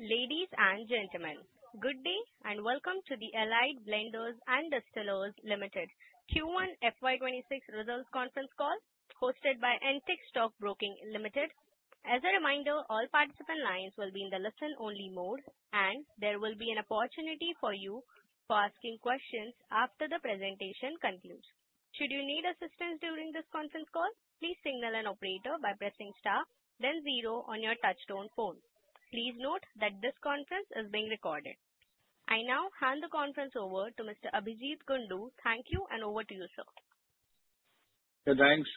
Ladies and gentlemen, good day and welcome to the Allied Blenders and Distillers Limited Q1 FY 2026 Results Conference Call hosted by Antique Stock Broking Limited. As a reminder, all participant lines will be in the listen-only mode, and there will be an opportunity for you to ask questions after the presentation concludes. Should you need assistance during this conference call, please signal an operator by pressing star then zero on your touchtone phone. Please note that this conference is being recorded. I now hand the conference over to Mr. Abhijeet Kundu. Thank you, and over to you, sir. Thanks.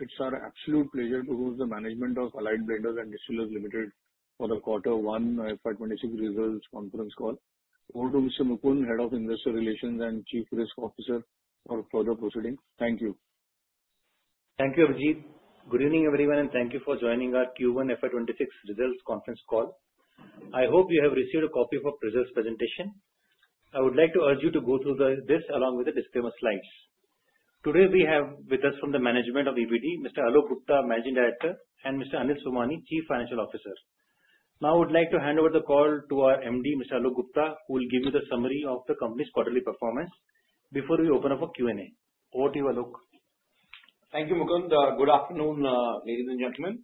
It's our absolute pleasure to host the management of Allied Blenders and Distillers Limited for the Q1 FY 2026 Results Conference Call. Over to Mr. Mukund, Head of Investor Relations and Chief Risk Officer, for the proceeding. Thank you. Thank you, Abhijeett. Good evening, everyone, and thank you for joining our Q1 FY 2026 Results Conference Call. I hope you have received a copy of our presentation. I would like to urge you to go through this along with the disclaimer slides. Today, we have with us from the management of ABD, Mr. Alok Gupta, Managing Director, and Mr. Anil Somani, Chief Financial Officer. Now, I would like to hand over the call to our MD, Mr. Alok Gupta, who will give you the summary of the company's quarterly performance before we open up for Q&A. Over to you, Alok. Thank you, Mukund. Good afternoon, ladies and gentlemen.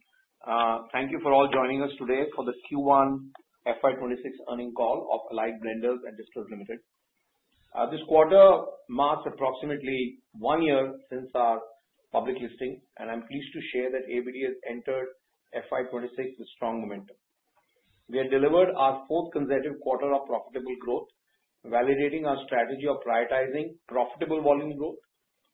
Thank you for all joining us today for the Q1 FY 2026 Earnings Call of Allied Blenders and Distillers Ltd. This quarter marks approximately one year since our public listing, and I'm pleased to share that ABD has entered FY 2026 with strong momentum. We have delivered our fourth consecutive quarter of profitable growth, validating our strategy of prioritizing profitable volume growth,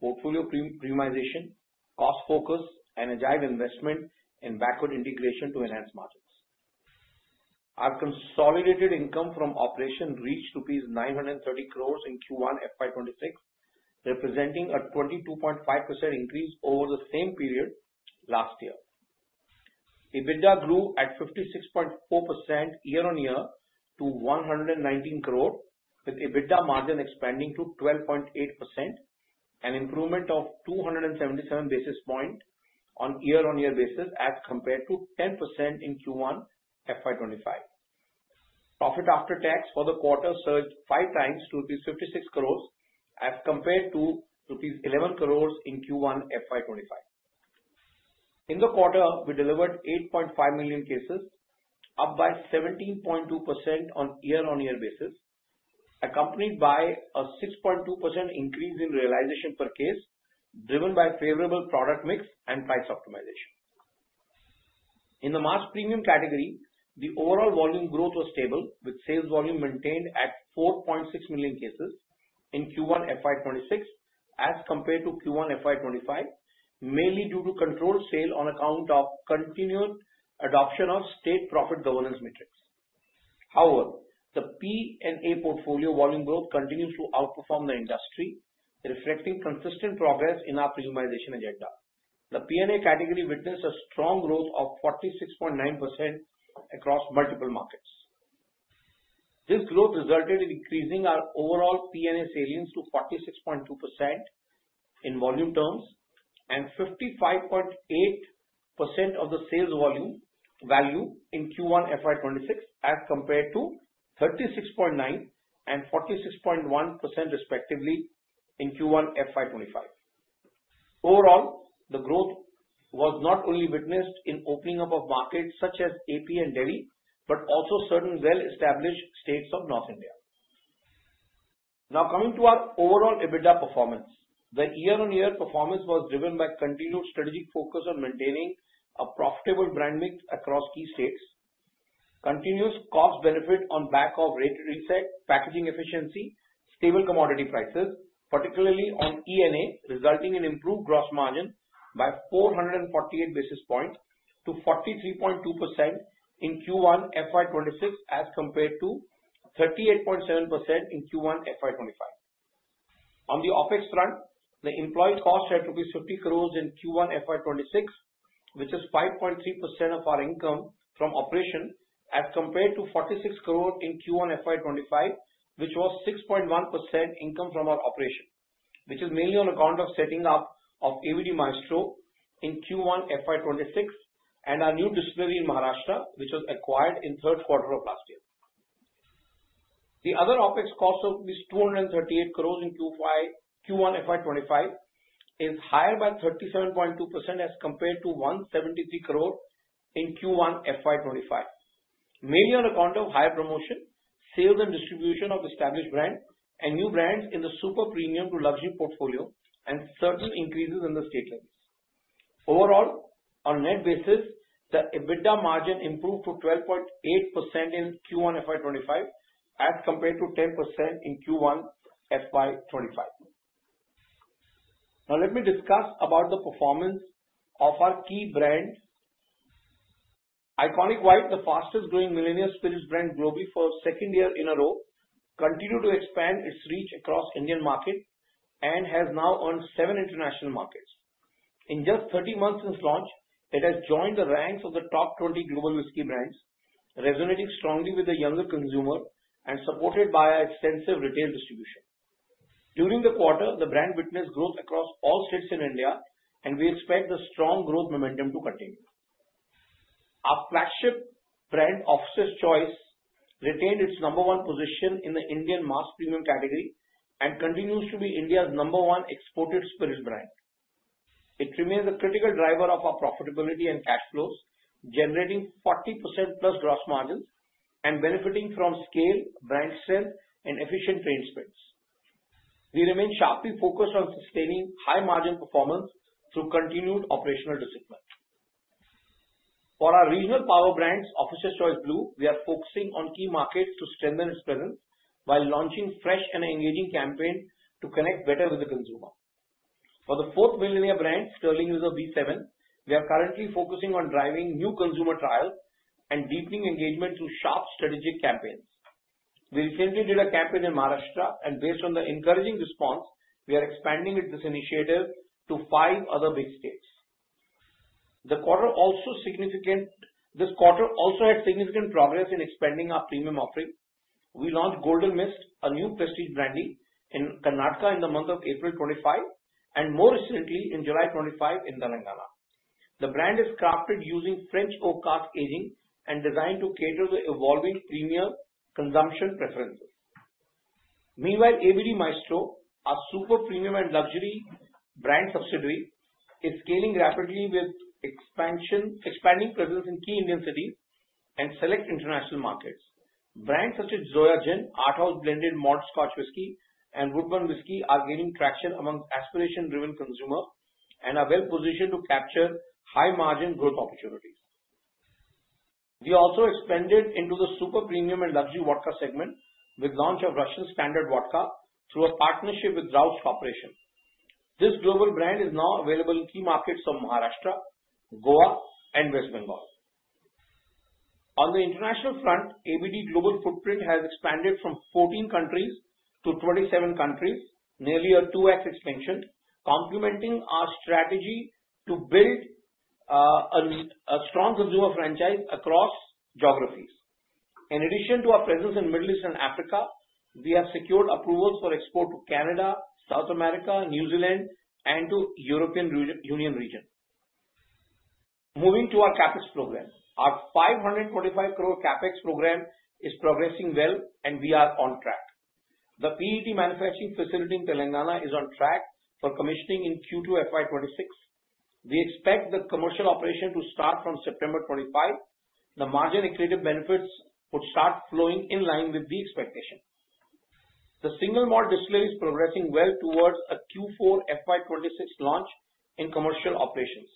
portfolio premiumization, cost focus, and agile investment in backward integration to enhance margins. Our consolidated income from operations reached 930 crore rupees in Q1 FY 2026, representing a 22.5% increase over the same period last year. EBITDA grew at 56.4% year-on-year to 119 crore, with EBITDA margin expanding to 12.8%, an improvement of 277 basis points on a year-on-year basis as compared to 10% in Q1 FY 2025. Profit after tax for the quarter surged five times to rupees 56 crore as compared to rupees 11 crore in Q1 FY 2025. In the quarter, we delivered 8.5 million cases, up by 17.2% on a year-on-year basis, accompanied by a 6.2% increase in realization per case, driven by favorable product mix and price optimization. In the mass premium category, the overall volume growth was stable, with sales volume maintained at 4.6 million cases in Q1 FY 2026 as compared to Q1 FY 2025, mainly due to controlled sales on account of continued adoption of state profit governance metrics. However, the P&A portfolio volume growth continues to outperform the industry, reflecting consistent progress in our premiumization agenda. The P&A category witnessed a strong growth of 46.9% across multiple markets. This growth resulted in increasing our overall P&A salience to 46.2% in volume terms and 55.8% of the sales volume value in Q1 FY 2026 as compared to 36.9% and 46.1% respectively in Q1 FY 2025. Overall, the growth was not only witnessed in opening up of markets such as AP and Delhi, but also certain well-established states of North India. Now, coming to our overall EBITDA performance, the year-on-year performance was driven by continued strategic focus on maintaining a profitable brand mix across key states, continuous cost benefit on behalf of rate reset, packaging efficiency, stable commodity prices, particularly on ENA distillery resulting in improved gross margin by 448 basis points to 43.2% in Q1 FY 2026 as compared to 38.7% in Q1 FY 2025. On the OpEx front, the employed costs at 50 crores in Q1 FY 2026, which is 5.3% of our income from operations as compared to 46 crores in Q1 FY 2025, which was 6.1% income from our operations, which is mainly on account of setting up of ABD Maestro in Q1 FY 2026 and our new distillery in Maharashtra, which was acquired in the third quarter of last year. The other OpEx cost of 238 crores in Q1 FY 2025 is higher by 37.2% as compared to 173 crores in Q1 FY 2025, mainly on account of higher promotion, sales and distribution of established brands, and new brands in the Super-Premium to luxury portfolio and certain increases in the statement. Overall, on a net basis, the EBITDA margin improved to 12.8% in Q1 FY 2025 as compared to 10% in Q1 FY 2025. Now, let me discuss about the performance of our key brand. ICONiQ White Whisky, the fastest growing millennial spirit brand globally for a second year in a row, continued to expand its reach across Indian markets and has now earned seven international markets. In just 30 months since launch, it has joined the ranks of the top 20 global whisky brands, resonating strongly with the younger consumer and supported by extensive retail distribution. During the quarter, the brand witnessed growth across all states in India, and we expect the strong growth momentum to continue. Our flagship brand, Officer's Choice Whisky, retained its number one position in the Indian mass premium category and continues to be India's number one exported spirit brand. It remains a critical driver of our profitability and cash flows, generating 40%+ gross margins and benefiting from scale, brand sale, and efficient training space. We remain sharply focused on sustaining high margin performance through continued operational discipline. For our regional power brands, Officer's Choice Blue, we are focusing on key markets to strengthen its presence while launching fresh and engaging campaigns to connect better with the consumer. For the fourth millennial brand, Sterling Reserve B7, we are currently focusing on driving new consumer trials and deepening engagement through sharp strategic campaigns. We recently did a campaign in Maharashtra, and based on the encouraging response, we are expanding this initiative to five other big states. This quarter also had significant progress in expanding our premium offering. We launched Golden Mist, a new prestige brandy in Karnataka, in the month of April 2025, and more recently in July 2025 in Telangana. The brand is crafted using French oak cask aging and designed to cater to the evolving premier consumption preferences. Meanwhile, ABD Maestro, our super-premium and luxury brand subsidiary, is scaling rapidly with expanding presence in key Indian cities and select international markets. Brands such as Zoya Gin, Arthaus Blended Malt Scotch Whisky, and Woodburn Whisky are gaining traction among aspiration-driven consumers and are well positioned to capture high margin growth opportunities. We also expanded into the Super-Premium and luxury vodka segment with the launch of Russian Standard Vodka through a partnership with Roust Corporation. This global brand is now available in key markets of Maharashtra, Goa, and West Bengal. On the international front, ABD's global footprint has expanded from 14 countries to 27 countries, nearly a 2x expansion, complementing our strategy to build a strong consumer franchise across geographies. In addition to our presence in Middle East and Africa, we have secured approvals for export to Canada, South America, New Zealand, and to the European Union region. Moving to our CapEx program, our 525 crore CapEx program is progressing well, and we are on track. The PET manufacturing facility in Telangana is on track for commissioning in Q2 FY 2026. We expect the commercial operation to start from September 2025. The margin accretive benefits would start flowing in line with the expectation. The single malt distillery is progressing well towards a Q4 FY 2026 launch in commercial operations.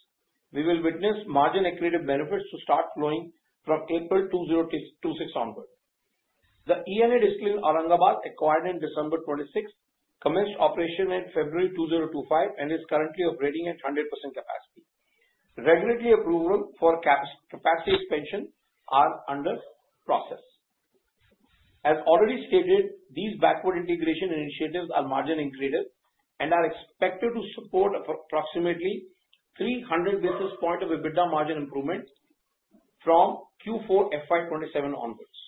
We will witness margin accretive benefits to start flowing from April 2026 onward. The ENA distillery in Aurangabad acquired in December 2026, commenced operation in February 2025, and is currently operating at 100% capacity. Regulatory approval for capacity expansion is under process. As already stated, these backward integration initiatives are margin accretive and are expected to support approximately 300 basis points of EBITDA margin improvements from Q4 FY 2027 onwards.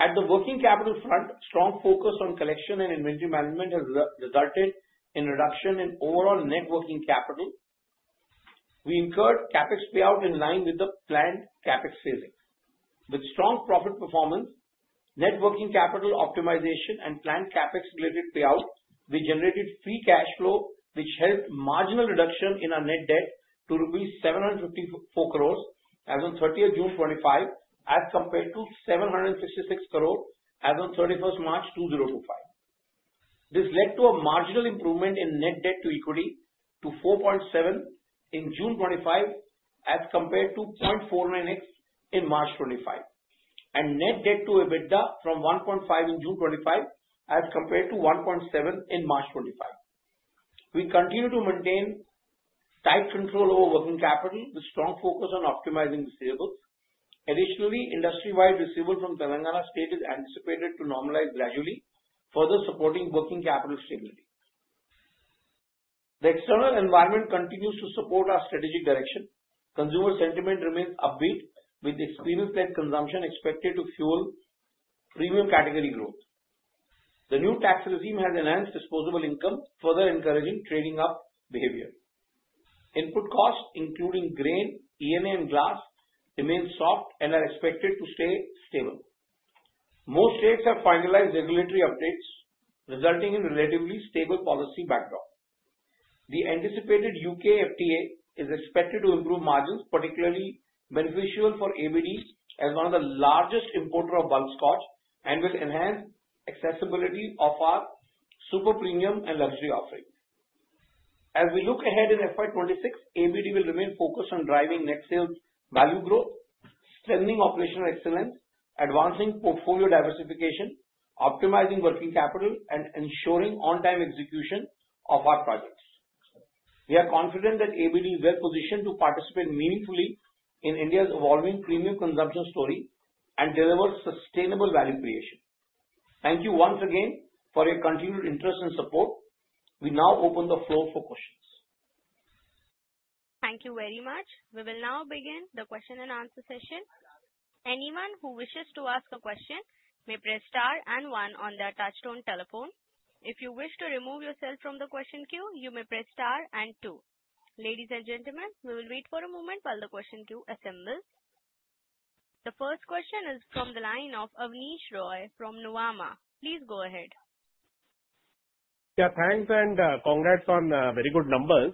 At the working capital front, strong focus on collection and inventory management has resulted in a reduction in overall net working capital. We incurred CapEx payout in line with the planned CapEx phasing. With strong profit performance, net working capital optimization, and planned CapEx-related payout, we generated free cash flow, which helped marginal reduction in our net debt to 754 crores rupees as of 30 June 2025, as compared to 766 crores as of 31 March 2025. This led to a marginal improvement in net debt to equity to 4.7 in June 2025, as compared to 0.49x in March 2025, and net debt to EBITDA from 1.5 in June 2025, as compared to 1.7 in March 2025. We continue to maintain tight control over working capital, with strong focus on optimizing receivables. Additionally, industry-wide receivables from Telangana State are anticipated to normalize gradually, further supporting working capital stability. The external environment continues to support our strategic direction. Consumer sentiment remains upbeat, with experienced consumption expected to fuel premium category growth. The new tax regime has enhanced disposable income, further encouraging trading up behavior. Input costs, including grain, ENA, and glass, remain soft and are expected to stay stable. Most states have finalized regulatory updates, resulting in a relatively stable policy backdrop. The anticipated U.K. FTA is expected to improve margins, particularly beneficial for ABD as one of the largest importers of bulk scotch and with enhanced accessibility of our Super-Premium and luxury offerings. As we look ahead in FY 2026, APD will remain focused on driving next-new value growth, strengthening operational excellence, advancing portfolio diversification, optimizing working capital, and ensuring on-time execution of our projects. We are confident that ABD is well positioned to participate meaningfully in India's evolving premium consumption story and deliver sustainable value creation. Thank you once again for your continued interest and support. We now open the floor for questions. Thank you very much. We will now begin the question and answer session. Anyone who wishes to ask a question may press star and one on their touchtone telephone. If you wish to remove yourself from the question queue, you may press star and two. Ladies and gentlemen, we will wait for a moment while the question queue assembles. The first question is from the line of Abneesh Roy from Nuvama. Please go ahead. Yeah, thanks and congrats on very good numbers.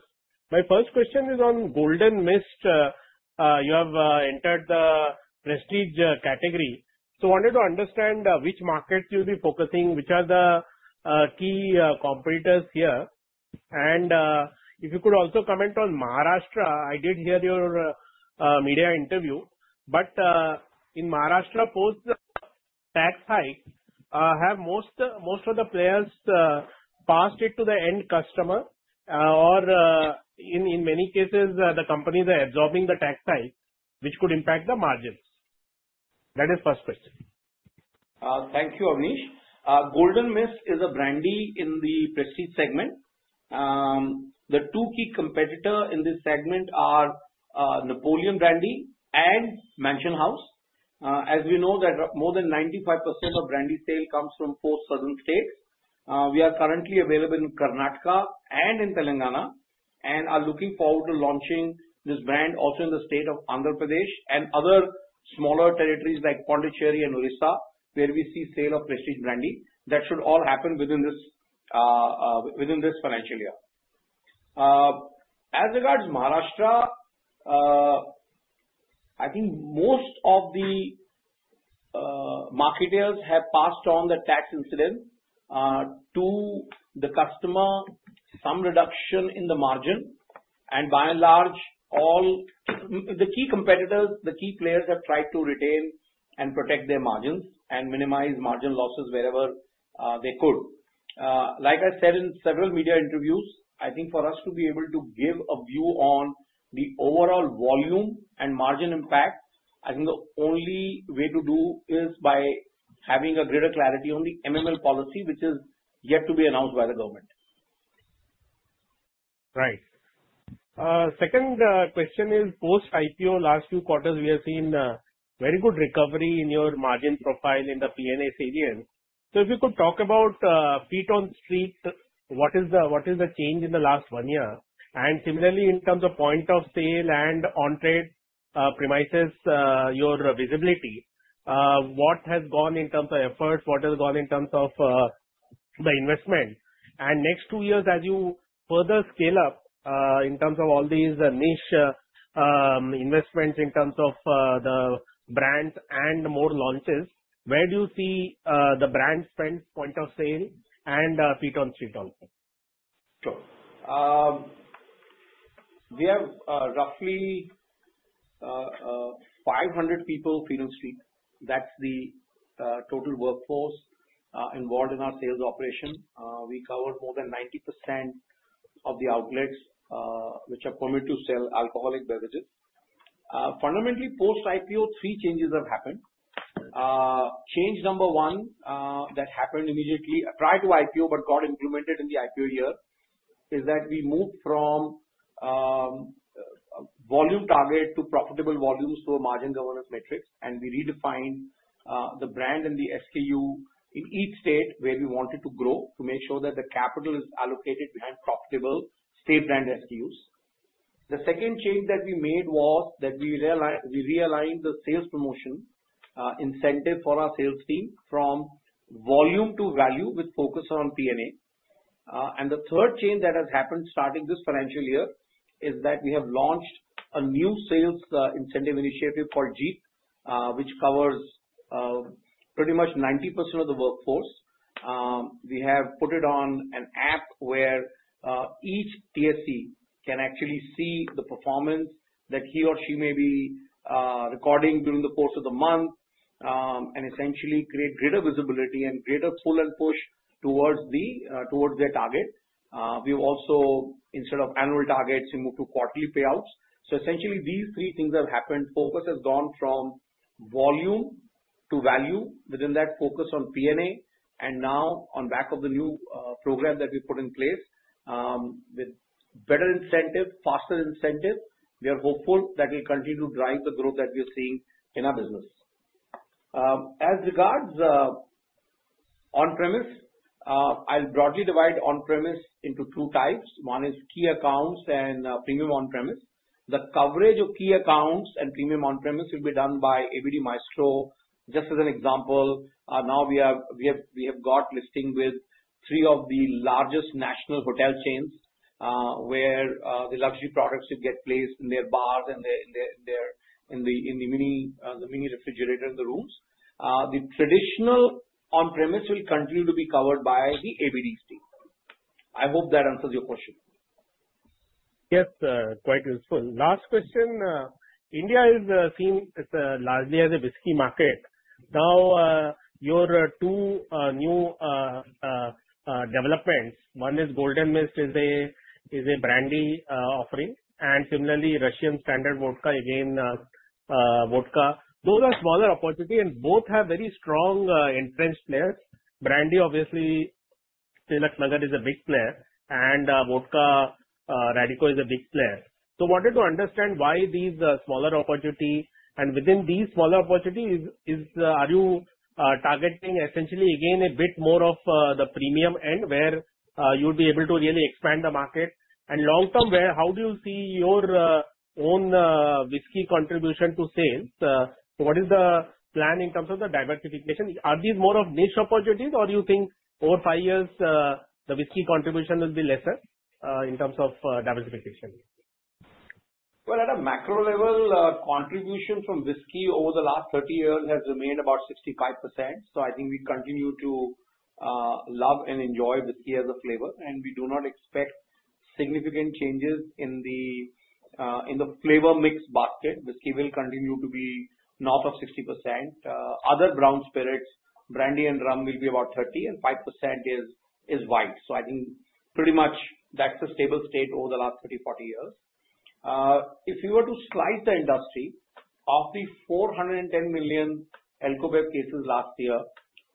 My first question is on Golden Mist. You have entered the prestige category, so I wanted to understand which markets you'll be focusing on, which are the key competitors here. If you could also comment on Maharashtra, I did hear your media interview, but in Maharashtra, post-tax hike, have most of the players passed it to the end customer, or in many cases, the companies are absorbing the tax hike, which could impact the margins. That is the first question. Thank you, Abneesh. Golden Mist is a brandy in the prestige segment. The two key competitors in this segment are Napoleon Brandy and Mansion House. As we know, more than 95% of brandy sales come from four southern states. We are currently available in Karnataka and in Telangana and are looking forward to launching this brand also in the state of Andhra Pradesh and other smaller territories like Pondicherry and Orissa, where we see sales of prestige brandy. That should all happen within this financial year. As regards Maharashtra, I think most of the marketers have passed on the tax incident to the customer, some reduction in the margin, and by and large, all the key competitors, the key players have tried to retain and protect their margins and minimize margin losses wherever they could. Like I said in several media interviews, I think for us to be able to give a view on the overall volume and margin impact, I think the only way to do is by having a greater clarity on the MML policy, which is yet to be announced by the government. Right. Second question is, post IPO last few quarters, we have seen a very good recovery in your margin profile in the P&A salience. If you could talk about feet on street, what is the change in the last one year? Similarly, in terms of point of sale and on-trade premises, your visibility, what has gone in terms of efforts, what has gone in terms of the investment? Next two years, as you further scale up in terms of all these niche investments, in terms of the brands and more launches, where do you see the brand spend point of sale and feet on street also? Sure. We have roughly 500 people on feet on street. That's the total workforce involved in our sales operation. We cover more than 90% of the outlets which are permitted to sell alcoholic beverages. Fundamentally, post IPO, three changes have happened. Change number one that happened immediately prior to IPO but got implemented in the IPO year is that we moved from volume target to profitable volumes for margin governance metrics, and we redefined the brand and the SKU in each state where we wanted to grow to make sure that the capital is allocated behind profitable state brand SKUs. The second change that we made was that we realigned the sales promotion incentive for our sales team from volume to value with focus on P&A. The third change that has happened starting this financial year is that we have launched a new sales incentive initiative for [Jeet], which covers pretty much 90% of the workforce. We have put it on an app where each TSC can actually see the performance that he or she may be recording during the course of the month and essentially create greater visibility and greater pull and push towards their target. We've also, instead of annual targets, moved to quarterly payouts. Essentially, these three things have happened. Focus has gone from volume to value, within that focus on P&A, and now on the back of the new program that we put in place with better incentives, faster incentives. We are hopeful that we continue to drive the growth that we are seeing in our business. As regards on-premise, I'll broadly divide on-premise into two types. One is key accounts and premium on-premise. The coverage of key accounts and premium on-premise should be done by ABD Maestro. Just as an example, now we have got listings with three of the largest national hotel chains where the luxury products should get placed in their bars and in the mini refrigerator in the rooms. The traditional on-premise will continue to be covered by the ABD state. I hope that answers your question. Yes, quite useful. Last question, India is seen largely as a whisky market. Now, your two new developments, one is Golden Mist Brandy, and similarly, Russian Standard Vodka, again, vodka. Those are smaller opportunities, and both have very strong entrenched players. Brandy, obviously, Tilaknagar is a big player, and vodka Radico is a big player. I wanted to understand why these smaller opportunities, and within these smaller opportunities, are you targeting essentially, again, a bit more of the premium end where you would be able to really expand the market? Long-term, how do you see your own whisky contribution to sales? What is the plan in terms of the diversification? Are these more of niche opportunities, or do you think over five years, the whisky contribution will be lesser in terms of diversification? At a macro level, contribution from whisky over the last 30 years has remained about 65%. I think we continue to love and enjoy whisky as a flavor, and we do not expect significant changes in the flavor mix basket. Whisky will continue to be north of 60%. Other brown spirits, brandy and rum, will be about 30%, and 5% is white. I think pretty much that's a stable state over the last 30 or 40 years. If you were to slice the industry, of the 410 million alcobev cases last year,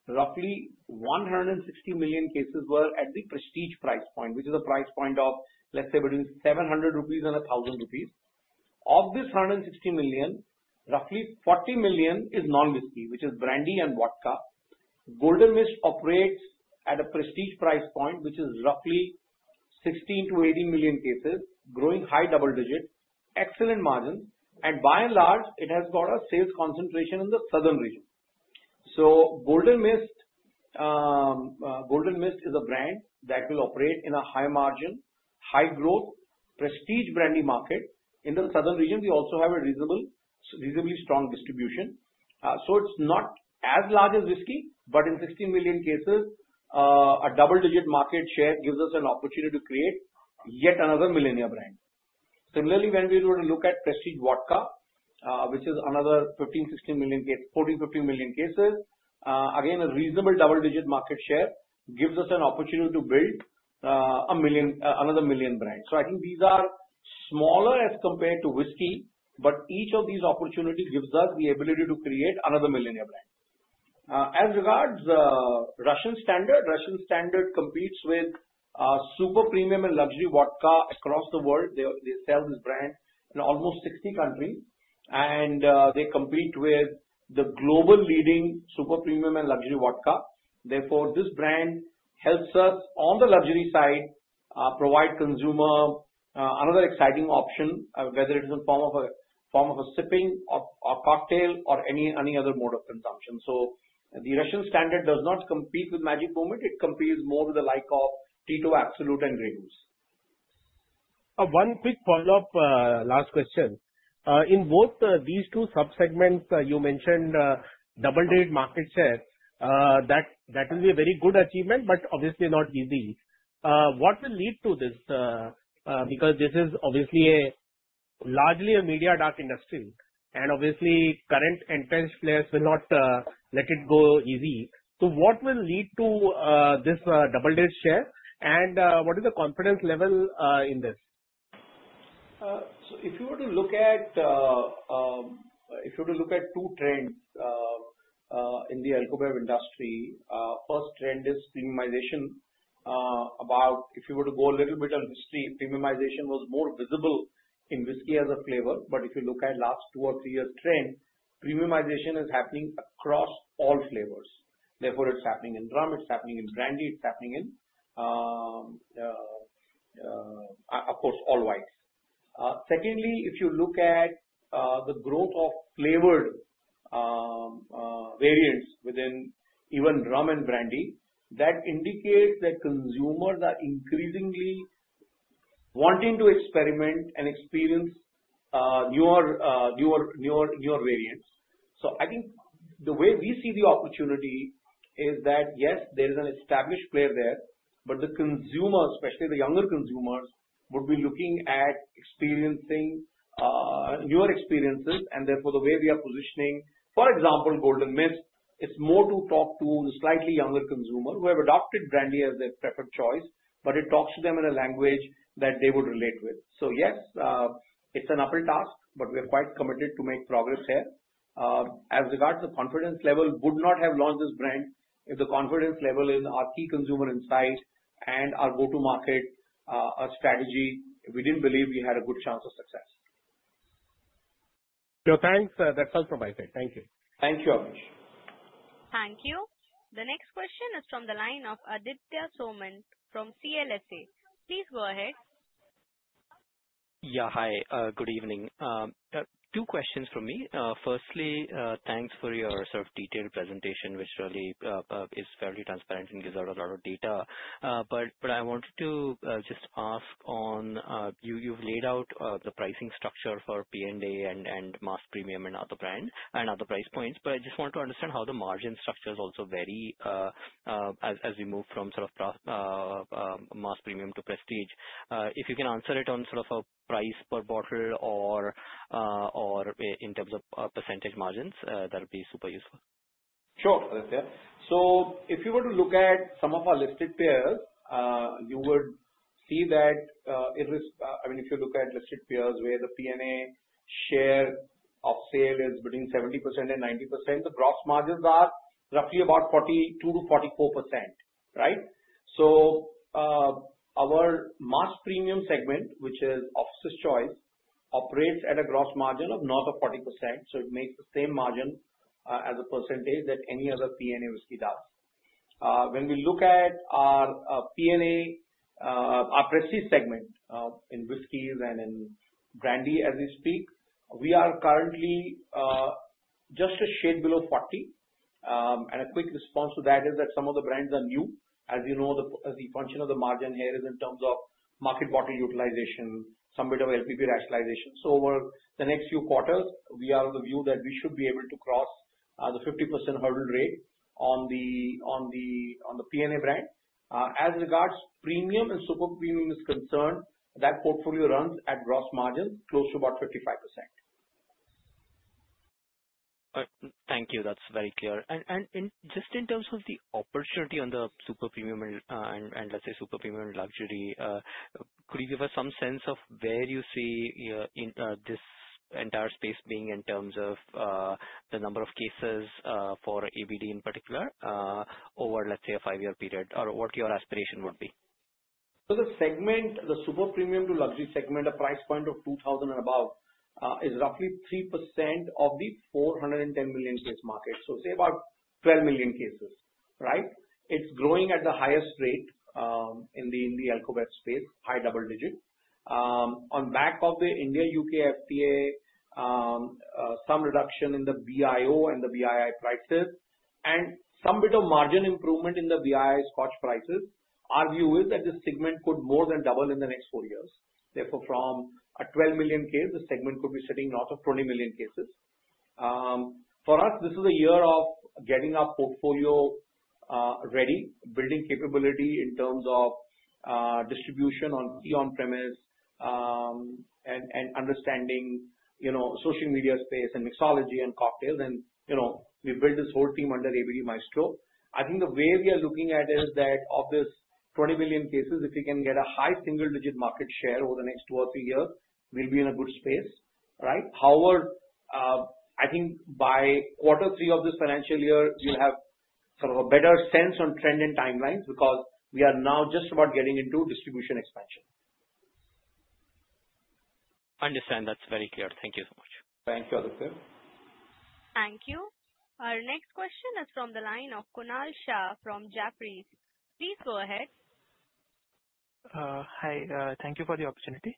roughly 160 million cases were at the prestige price point, which is a price point of, let's say, between 700 rupees and 1,000 rupees. Of this 160 million, roughly 40 million is non-whisky, which is brandy and vodka. Golden Mist operates at a prestige price point, which is roughly 60 to 80 million cases, growing high double digits, excellent margins, and by and large, it has brought a sales concentration in the southern region. Golden Mist is a brand that will operate in a high margin, high growth, prestige brandy market. In the southern region, we also have a reasonably strong distribution. It's not as large as whisky, but in 16 million cases, a double-digit market share gives us an opportunity to create yet another millennia brand. Similarly, when we were to look at prestige vodka, which is another 15 or 16 million cases, 14 or 15 million cases, again, a reasonable double-digit market share gives us an opportunity to build another million brands. I think these are smaller as compared to whisky, but each of these opportunities gives us the ability to create another millennia brand. As regards the Russian Standard, Russian Standard competes with Super-Premium and luxury vodka across the world. They sell this brand in almost 60 countries, and they compete with the global leading Super-Premium and luxury vodka. Therefore, this brand helps us on the luxury side provide consumers another exciting option, whether it is in the form of a sipping or cocktail or any other mode of consumption. The Russian Standard does not compete with Magic Moment. It competes more with the likes of Tito, Absolut, and GREY GOOSE. One quick follow-up, last question. In both these two subsegments, you mentioned double-digit market share. That will be a very good achievement, but obviously not easy. What will lead to this? This is obviously largely a media-dark industry, and obviously, current entrenched players will not let it go easy. What will lead to this double-digit share, and what is the confidence level in this? If you were to look at two trends in the alcoholic beverages industry, the first trend is premiumization. If you were to go a little bit on history, premiumization was more visible in whisky as a flavor. If you look at the last two or three years' trends, premiumization is happening across all flavors. Therefore, it's happening in rum, it's happening in brandy, it's happening in, of course, all white. If you look at the growth of flavored variants within even rum and brandy, that indicates that consumers are increasingly wanting to experiment and experience newer variants. I think the way we see the opportunity is that, yes, there is an established player there, but the consumers, especially the younger consumers, would be looking at experiencing newer experiences. Therefore, the way we are positioning, for example, Golden Mist, it's more to talk to the slightly younger consumers who have adopted brandy as their preferred choice, but it talks to them in a language that they would relate with. Yes, it's an uphill task, but we are quite committed to make progress here. As regards to the confidence level, we would not have launched this brand if the confidence level in our key consumer in style and our go-to-market strategy if we didn't believe we had a good chance of success. Yeah, thanks. That's all from my side. Thank you. Thank you, Abneesh. Thank you. The next question is from the line of Aditya Soman from CLSA. Please go ahead. Yeah, hi. Good evening. Two questions from me. Firstly, thanks for your sort of detailed presentation, which really is fairly transparent and gives out a lot of data. I wanted to just ask on you've laid out the pricing structure for P&A and mass premium and other brands and other price points. I just want to understand how the margin structures also vary as we move from sort of mass premium to prestige. If you can answer it on sort of a price per bottle or in terms of percentage margins, that would be super useful. Sure, Aditya. If you were to look at some of our listed peers, you would see that if you look at listed peers where the P&A share of sale is between 70% and 90%, the gross margins are roughly about 42%-44%, right? Our mass premium segment, which is Officer's Choice, operates at a gross margin of north of 40%. It makes the same margin as a percentage that any other P&A whisky does. When we look at our P&A, our prestige segment in whiskies and in brandy as we speak, we are currently just a shade below 40%. A quick response to that is that some of the brands are new. As you know, the function of the margin here is in terms of market bottle utilization, some bit of LPP rationalization. Over the next few quarters, we are of the view that we should be able to cross the 50% hurdle rate on the P&A brand. As regards premium and Super-Premium is concerned, that portfolio runs at gross margin close to about 55%. Thank you. That's very clear. Just in terms of the opportunity on the Super-Premium and, let's say, Super-Premium and luxury, could you give us some sense of where you see your in this entire space being in terms of the number of cases for ABD in particular over, let's say, a five-year period, or what your aspiration would be? The segment, the Super-Premium to luxury segment, a price point of 2,000 and above, is roughly 3% of the 410 million case market, about 12 million cases, right? It's growing at the highest rate in the alcobev space, high double digits. On the back of the India-U.K. FTA, some reduction in the BIO and the BII prices and some bit of margin improvement in the BII scotch prices, our view is that this segment could more than double in the next four years. Therefore, from a 12 million case, the segment could be sitting north of 20 million cases. For us, this is a year of getting our portfolio ready, building capability in terms of distribution on the on-premise and understanding social media space and mixology and cocktails. We built this whole team under ABD Maestro. I think the way we are looking at it is that of this 20 million cases, if we can get a high single-digit market share over the next two or three years, we'll be in a good space, right? I think by quarter three of this financial year, you'll have sort of a better sense on trend and timelines because we are now just about getting into distribution expansion. Understand. That's very clear. Thank you so much. Thank you, Abhijeet. Thank you. Our next question is from the line of Kunal Shah from Jefferies. Please go ahead. Hi. Thank you for the opportunity.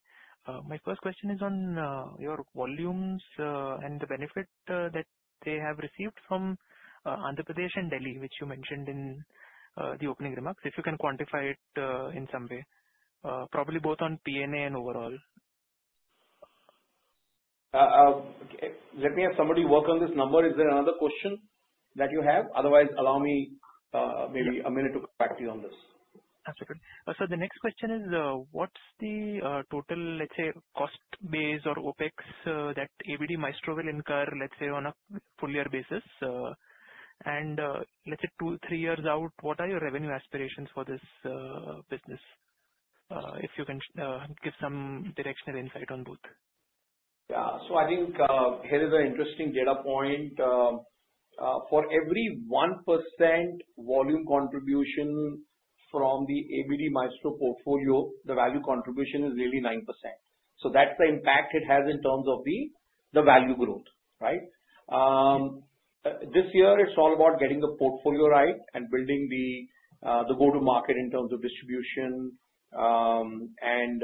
My first question is on your volumes and the benefit that they have received from Andhra Pradesh and Delhi, which you mentioned in the opening remarks. If you can quantify it in some way, probably both on P&A and overall. Let me have somebody work on this number. Is there another question that you have? Otherwise, allow me a minute to practice on this. Absolutely. The next question is, what's the total, let's say, cost base or OpEx that ABD Maestro will incur, let's say, on a full-year basis? Let's say two, three years out, what are your revenue aspirations for this business, if you can give some directional insight on both? Yeah. I think here is an interesting data point. For every 1% volume contribution from the ABD Maestro portfolio, the value contribution is really 9%. That's the impact it has in terms of the value growth, right? This year, it's all about getting the portfolio right and building the go-to-market in terms of distribution and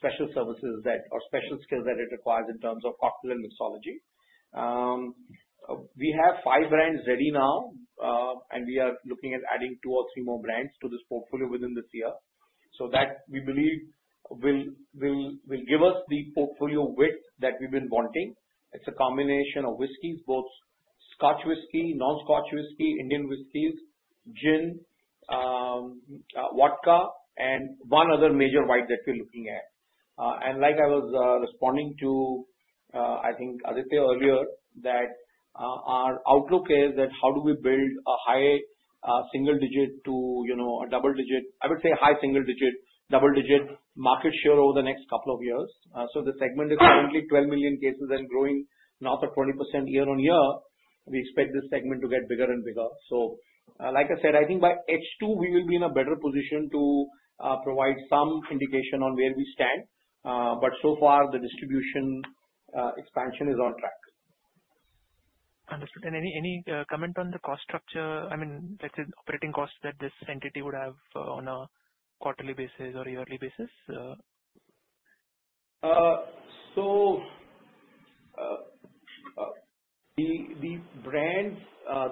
special services or special skills that it requires in terms of cocktail and mixology. We have five brands ready now, and we are looking at adding two or three more brands to this portfolio within this year. We believe that will give us the portfolio width that we've been wanting. It's a combination of whiskies, both scotch whisky, non-scotch whisky, Indian whiskies, gin, vodka, and one other major white that we're looking at. Like I was responding to, I think, Aditya earlier, our outlook is that how do we build a high single-digit to a double-digit, I would say high single-digit, double-digit market share over the next couple of years. The segment is currently 12 million cases and growing north of 20% year-on-year. We expect this segment to get bigger and bigger. I think by H2, we will be in a better position to provide some indication on where we stand. So far, the distribution expansion is on track. Understood. Any comment on the cost structure? I mean, let's say, operating costs that this entity would have on a quarterly basis or yearly basis? The brands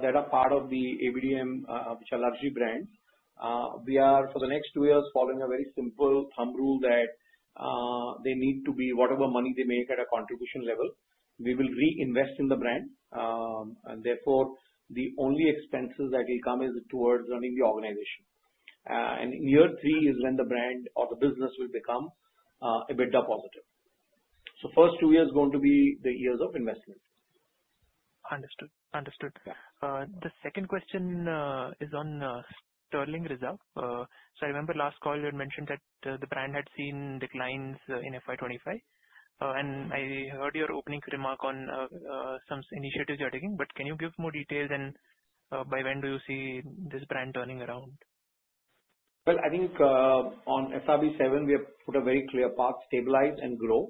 that are part of the ABD Maestro, which are largely brands, we are for the next two years following a very simple thumb rule that they need to be whatever money they make at a contribution level. We will reinvest in the brand. Therefore, the only expenses that will come are towards running the organization. In year three is when the brand or the business will become a bit positive. The first two years are going to be the years of investment. Understood. The second question is on Sterling Reserve. I remember last call, you had mentioned that the brand had seen declines in FY 2025. I heard your opening remark on some initiatives you're taking, but can you give more details and by when do you see this brand turning around? On SRB7, we have put a very clear path, stabilize and grow.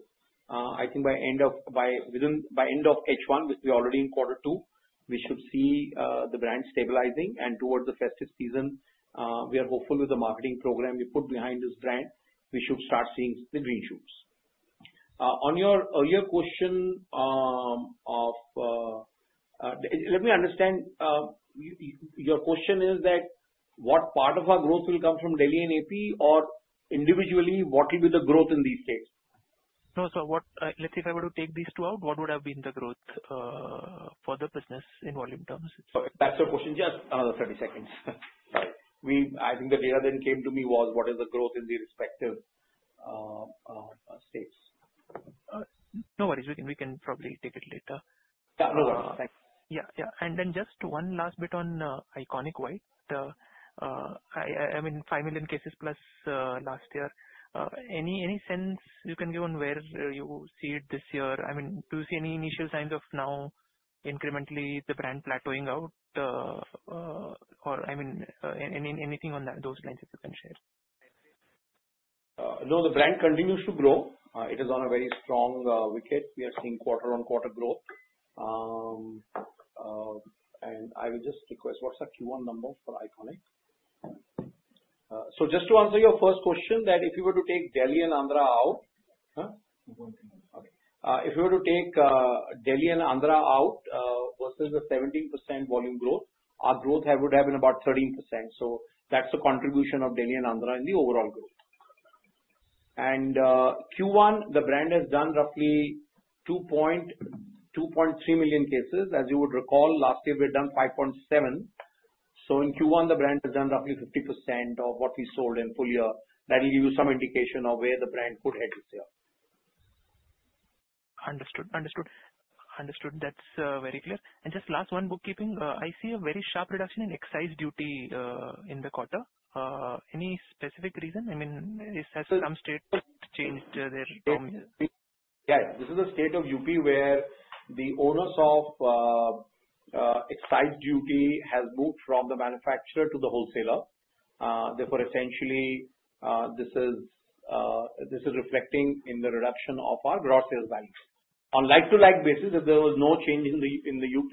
By end of H1, we're already in quarter two, we should see the brand stabilizing. Towards the festive season, we are hopeful with the marketing program we put behind this brand, we should start seeing the green shoots. On your earlier question of let me understand, your question is that what part of our growth will come from Delhi and Andhra Pradesh or individually, what will be the growth in these states? If I were to take these two out, what would have been the growth for the business in volume terms? That's your question. Just 30 seconds. Sorry, I think the data that came to me was what is the growth in the respective states? No worries. We can probably take it later. Yeah, no worries. Thanks. Yeah, yeah. Just one last bit on ICONiQ White. I mean, 5 million cases plus last year. Any sense you can give on where you see it this year? Do you see any initial signs of now incrementally the brand plateauing out? Anything on those lines that you can share? No, the brand continues to grow. It is on a very strong wicket. We are seeing quarter-on-quarter growth. I will just request what's that Q1 number for ICONiQ? To answer your first question, if you were to take Delhi and Andhra Pradesh out, versus the 17% volume growth, our growth would have been about 13%. That is the contribution of Delhi and Andhra Pradesh in the overall growth. In Q1, the brand has done roughly 2.3 million cases. As you would recall, last year we had done 5.7 million. In Q1, the brand has done roughly 50% of what we sold in the full year. That will give you some indication of where the brand could head this year. Understood. That's very clear. Just last one, bookkeeping, I see a very sharp reduction in excise duty in the quarter. Any specific reason? I mean, it's a seldom state but changed there recently. Yeah, yeah. This is a state of UP where the onus of excise duty has moved from the manufacturer to the wholesaler. Therefore, essentially, this is reflecting in the reduction of our gross sales value. On a like-to-like basis, if there was no change in UP,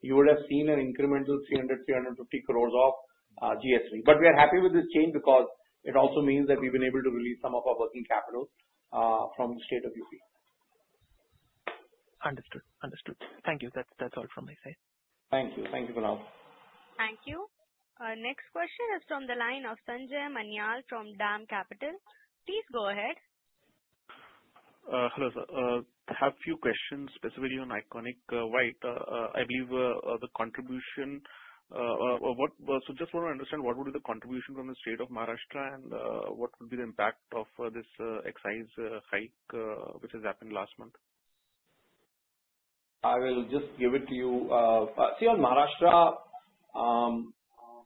you would have seen an incremental 300-350 crore of GST. We are happy with this change because it also means that we've been able to release some of our working capital from the state of UP. Understood. Thank you. That's all from my side. Thank you. Thank you for now. Thank you. Next question is from the line of Sanjay Manyal from DAM Capital. Please go ahead. Hello, sir. I have a few questions specifically on ICONiQ White. I believe the contribution, so just want to understand what would be the contribution from the state of Maharashtra and what would be the impact of this excise hike which has happened last month? I will just give it to you. See, on Maharashtra,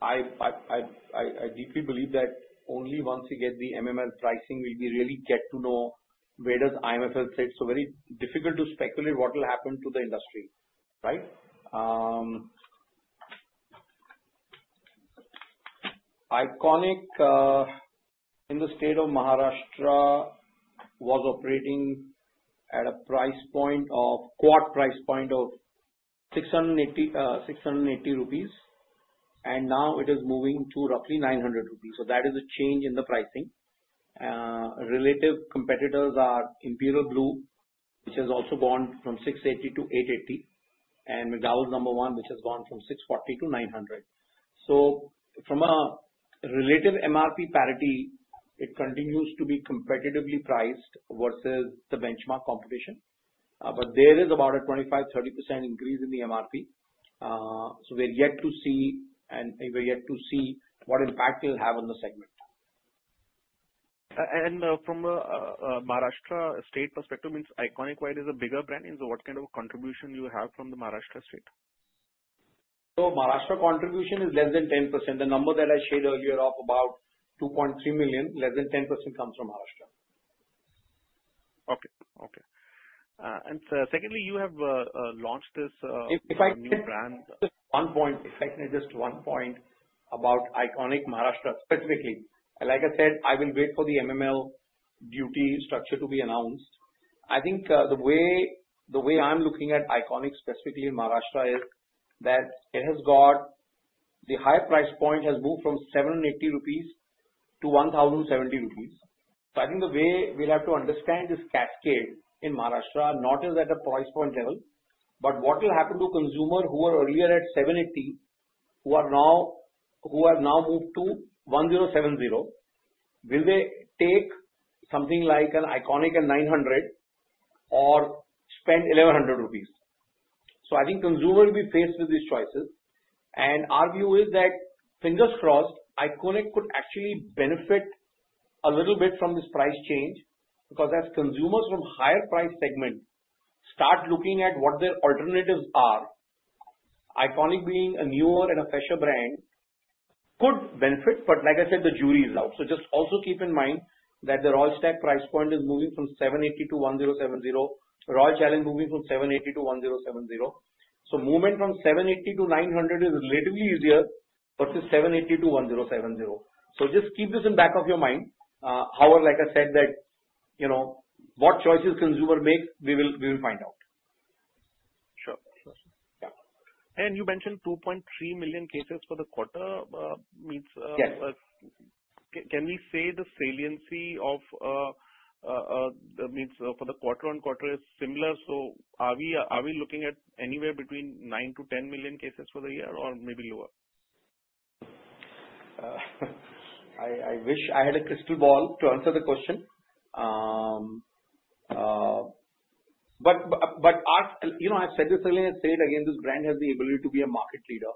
I deeply believe that only once we get the MML pricing, we really get to know where does IMFL sit. It is very difficult to speculate what will happen to the industry, right? ICONiQ in the state of Maharashtra was operating at a price point of quart price point of 680 rupees, and now it is moving to roughly 900 rupees. That is a change in the pricing. Relative competitors are Imperial Blue, which has also gone from 680-880, and McDowell's Number One, which has gone from 640-900. From a relative MRP parity, it continues to be competitively priced versus the benchmark competition. There is about a 25%-30% increase in the MRP. We are yet to see what impact it will have on the segment. From a Maharashtra state perspective, it means ICONiQ White is a bigger brand. What kind of contribution do you have from the Maharashtra state? Maharashtra contribution is less than 10%. The number that I shared earlier of about 2.3 million, less than 10% comes from Maharashtra. Okay. Okay. Secondly, you have launched this brand. If I can adjust one point about ICONiQ specifically in Maharashtra, like I said, I will wait for the MML duty structure to be announced. I think the way I'm looking at ICONiQ specifically in Maharashtra is that it has got the high price point, has moved from 780-1,070 rupees. I think the way we'll have to understand this cascade in Maharashtra, not just at a price point level, is what will happen to consumers who were earlier at 780, who are now moved to 1,070. Will they take something like an ICONiQ at 900 or spend 1,100 rupees? I think consumers will be faced with these choices. Our view is that, fingers crossed, ICONiQ could actually benefit a little bit from this price change because as consumers from a higher price segment start looking at what their alternatives are, ICONiQ being a newer and a fresher brand could benefit. Like I said, the jury is out. Just also keep in mind that the Royal Stag price point is moving from 780-1,070. Royal Challenge is moving from 780- 1,070. Movement from 780-900 is relatively easier versus 780-1,070. Just keep this in the back of your mind. However, like I said, what choices consumers make, we will find out. Sure. You mentioned 2.3 million cases for the quarter. Can we say the saliency of the meets for the quarter on quarter is similar? Are we looking at anywhere between 9-10 million cases for the year or maybe lower? I wish I had a crystal ball to answer the question. You know I've said this earlier, I'll say it again. This brand has the ability to be a market leader.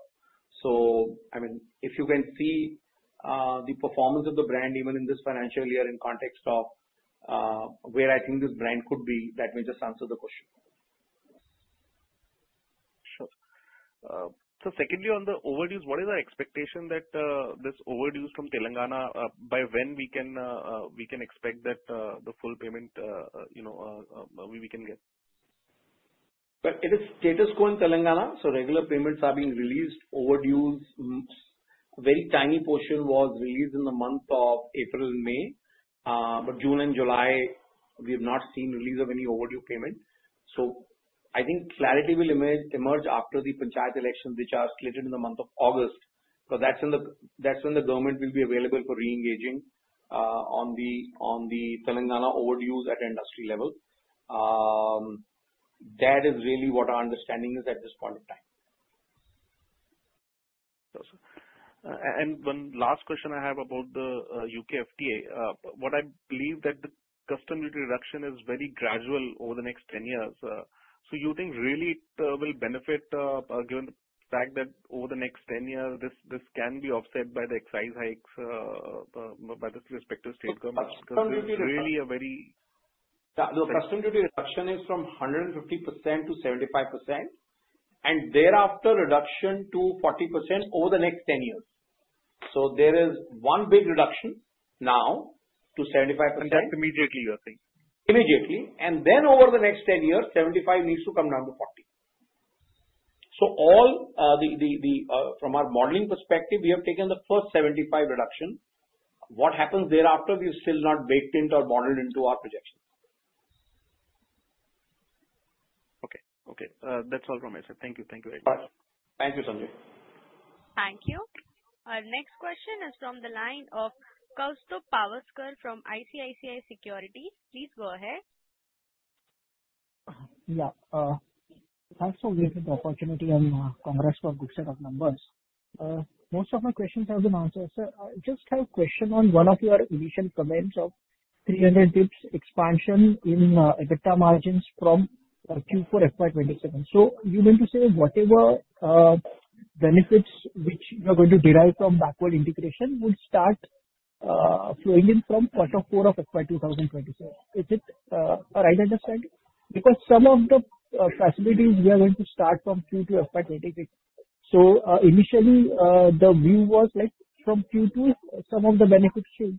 If you can see the performance of the brand even in this financial year in context of where I think this brand could be, let me just answer the question. Sure. Secondly, on the overdues, what is the expectation that this overdue from Telangana, by when can we expect that the full payment, you know, we can get? It is status quo in Telangana. Regular payments are being released. Overdues, a very tiny portion was released in the month of April and May. June and July, we have not seen the release of any overdue payment. I think clarity will emerge after the Punjab elections, which are slated in the month of August, because that's when the government will be available for re-engaging on the Telangana overdues at the industry level. That is really what our understanding is at this point in time. One last question I have about the U.K. FTA. What I believe is that the custom duty reduction is very gradual over the next 10 years. Do you think it will really benefit, given the fact that over the next 10 years, this can be offset by the excise hikes by the respective states? Custom duty reduction. It’s really a very. Yeah. Custom duty reduction is from 150%-75%, and thereafter reduction to 40% over the next 10 years. There is one big reduction now to 75%. That's immediately, you're saying? Immediately. Over the next 10 years, 75 needs to come down to 40. From our modeling perspective, we have taken the first 75 reduction. What happens thereafter? We've still not baked into or modeled into our projections. Okay. Okay. That's all from my side. Thank you. Thank you, Aditya. Thank you, Sanjay. Thank you. Our next question is from the line of Kaustubh Pawaskar from ICICI Securities. Please go ahead. Yeah. Thanks for the opportunity and congrats for a good set of numbers. Most of my questions have been answered. I just have a question on one of your initial comments of 300 basis points expansion in EBITDA margins from Q4 FY 2027. You mean to say whatever benefits which we are going to derive from backward integration will start flowing in from quarter four of FY 2027. Is it a right understanding? Because some of the facilities we are going to start from Q2 FY 2027. Initially, the view was like from Q2, some of the benefits should start flowing in,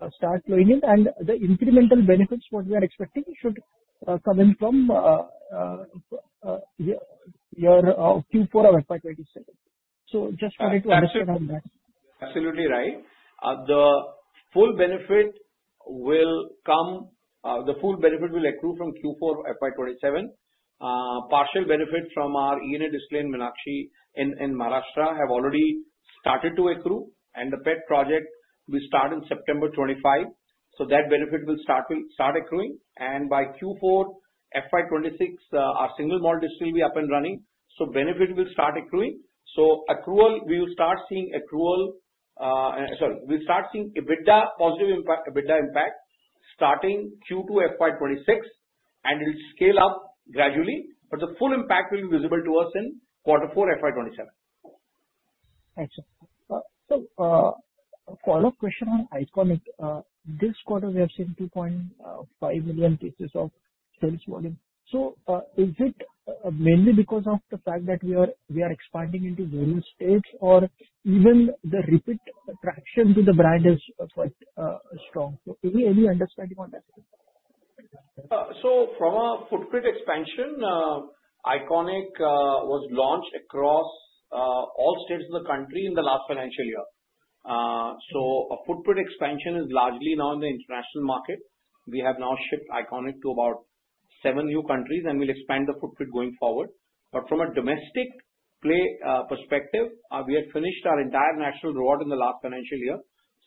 and the incremental benefits, what we are expecting, should come in from your Q4 of FY 2027. Just trying to understand on that. Absolutely right. The full benefit will come. The full benefit will accrue from Q4 FY 2027. Partial benefits from our ENA distillery in Maharashtra have already started to accrue, and the PET project will start in September 2025. That benefit will start accruing. By Q4 FY 2026, our single malt distillation will be up and running. Benefits will start accruing. We will start seeing EBITDA positive impact starting Q2 FY 2026, and it will scale up gradually. The full impact will be visible to us in Q4 FY 2027. Thank you. A follow-up question on ICONiQ. This quarter, we have seen 2.5 million cases of service volume. Is it mainly because of the fact that we are expanding into various states, or is the repeat traction with the brand quite strong? Any understanding on that? From a footprint expansion, ICONiQ was launched across all states of the country in the last financial year. A footprint expansion is largely now in the international market. We have now shipped ICONiQ to about seven new countries, and we'll expand the footprint going forward. From a domestic play perspective, we have finished our entire national rollout in the last financial year.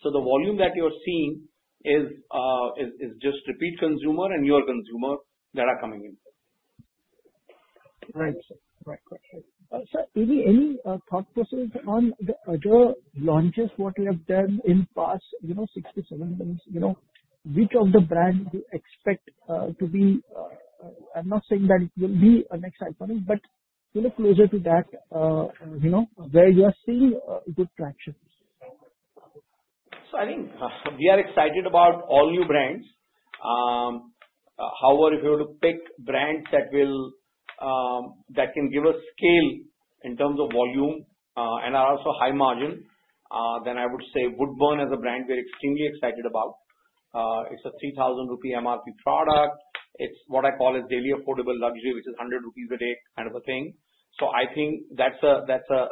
The volume that you're seeing is just repeat consumer and newer consumer that are coming in. Right. Right. Any thought, Kaustubh, on the other launches, what you have done in the past six to seven years, which of the brands do you expect to be? I'm not saying that it will be the next ICONiQ, but closer to that, where you are seeing good traction? I think we are excited about all new brands. However, if you were to pick brands that can give us scale in terms of volume and are also high margin, then I would say Woodburn is a brand we're extremely excited about. It's an 3,000 rupee MRP product. It's what I call a daily affordable luxury, which is 100 rupees a day kind of a thing. I think that's a brand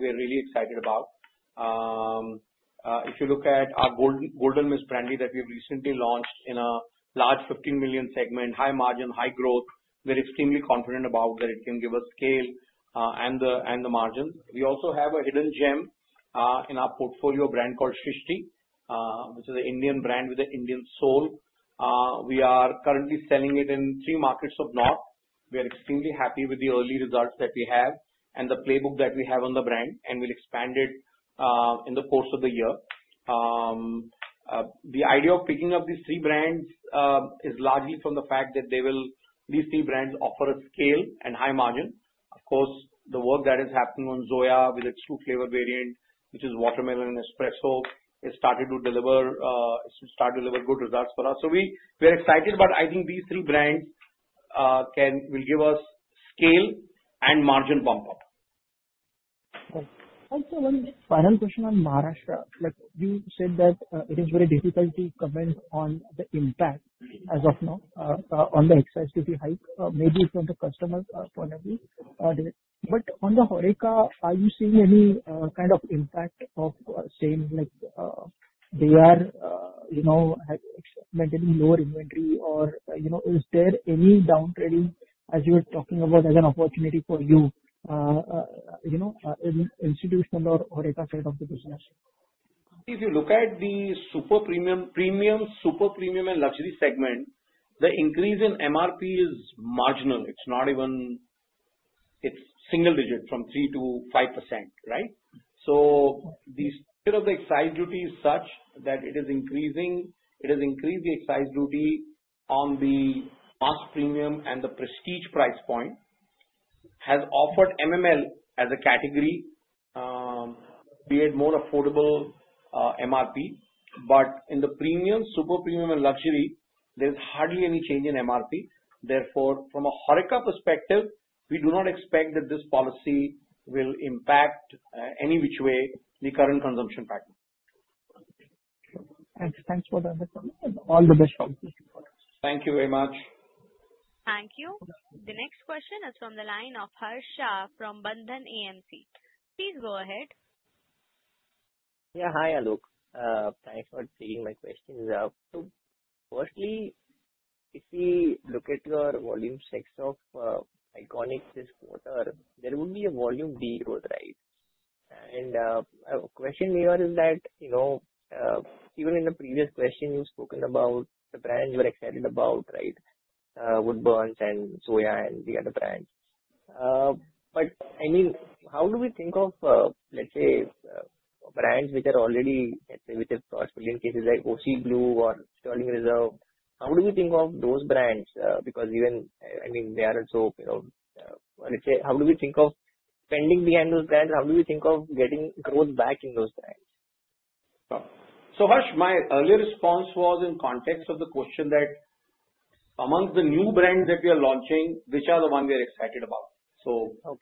we're really excited about. If you look at our Golden Mist Brandy that we have recently launched in a large 15 million segment, high margin, high growth, we're extremely confident that it can give us scale and the margin. We also have a hidden gem in our portfolio, a brand called Srishti, which is an Indian brand with an Indian soul. We are currently selling it in three markets of north. We are extremely happy with the early results that we have and the playbook that we have on the brand, and we'll expand it in the course of the year. The idea of picking up these three brands is largely from the fact that these three brands offer scale and high margin. The work that is happening on Zoya with its two flavor variant, which is Watermelon and Espresso, is starting to deliver good results for us. We're excited, but I think these three brands can give us scale and margin bump. One final question on Maharashtra. You said that it is very difficult to comment on the impact as of now on the excise duty hike, maybe from the customer point of view. On the HoReCa, are you seeing any kind of impact of saying like they are maintaining lower inventory, or is there any downtrending as you were talking about as an opportunity for you in institutional or HoReCa sort of business? If you look at the Super-Premium, Super-Premium, and luxury segment, the increase in MRP is marginal. It's not even, it's single digit from 3%-5%. The excise duty is such that it is increasing. It has increased the excise duty on the mass premium and the prestige price point. It has offered MML as a category. We had more affordable MRP. In the premium, Super-Premium, and luxury, there's hardly any change in MRP. Therefore, from a HoReCa perspective, we do not expect that this policy will impact any which way the current consumption pattern. Thanks. Thanks for all the best. Thank you very much. Thank you. The next question is from the line of Harsh Shah from Bandhan AMC. Please go ahead. Yeah. Hi, Alok. Thanks for taking my questions. Firstly, if we look at your volume section of ICONiQ this quarter, there would be a volume decrease, right? A question here is that, even in the previous question, you've spoken about the brands you're excited about, right? Woodburn and Zoya and the other brands. I mean, how do we think of, let's say, brands which are already, let's say, with cross-premium cases like Officer's Choice Blue or Sterling Reserve? How do we think of those brands? Even, I mean, they are also, you know, let's say, how do we think of spending behind those brands? How do we think of getting growth back in those brands? Harsh, my earlier response was in context of the question that amongst the new brands that we are launching, which are the ones we are excited about.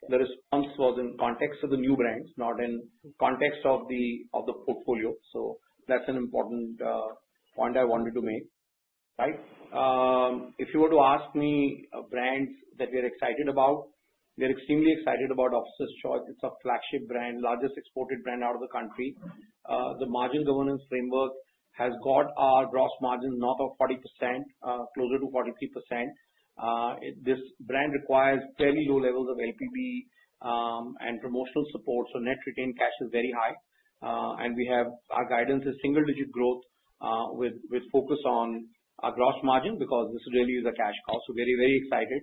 The response was in context of the new brands, not in the context of the portfolio. That's an important point I wanted to make, right? If you were to ask me brands that we are excited about, we're extremely excited about Officer's Choice. It's a flagship brand, largest exported brand out of the country. The margin governance framework has got our gross margin north of 40%, closer to 43%. This brand requires fairly low levels of LPP and promotional support. Net retained cash is very high. We have our guidance is single-digit growth with focus on our gross margin because this really is a cash cow. We're very, very excited.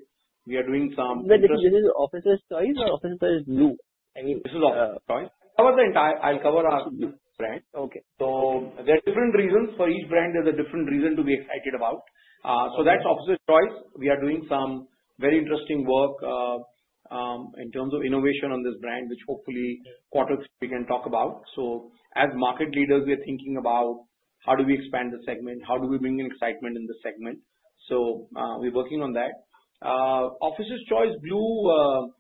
We are doing some. Wait, this is Officer's Choice or Officer's Choice Blue? This is Officer's Choice. Cover the entire. I'll cover our brand. Okay. There are different reasons for each brand. There's a different reason to be excited about. That's Officer's Choice. We are doing some very interesting work in terms of innovation on this brand, which hopefully quarter three we can talk about. As market leaders, we're thinking about how do we expand the segment, how do we bring in excitement in the segment. We're working on that. Officer's Choice Blue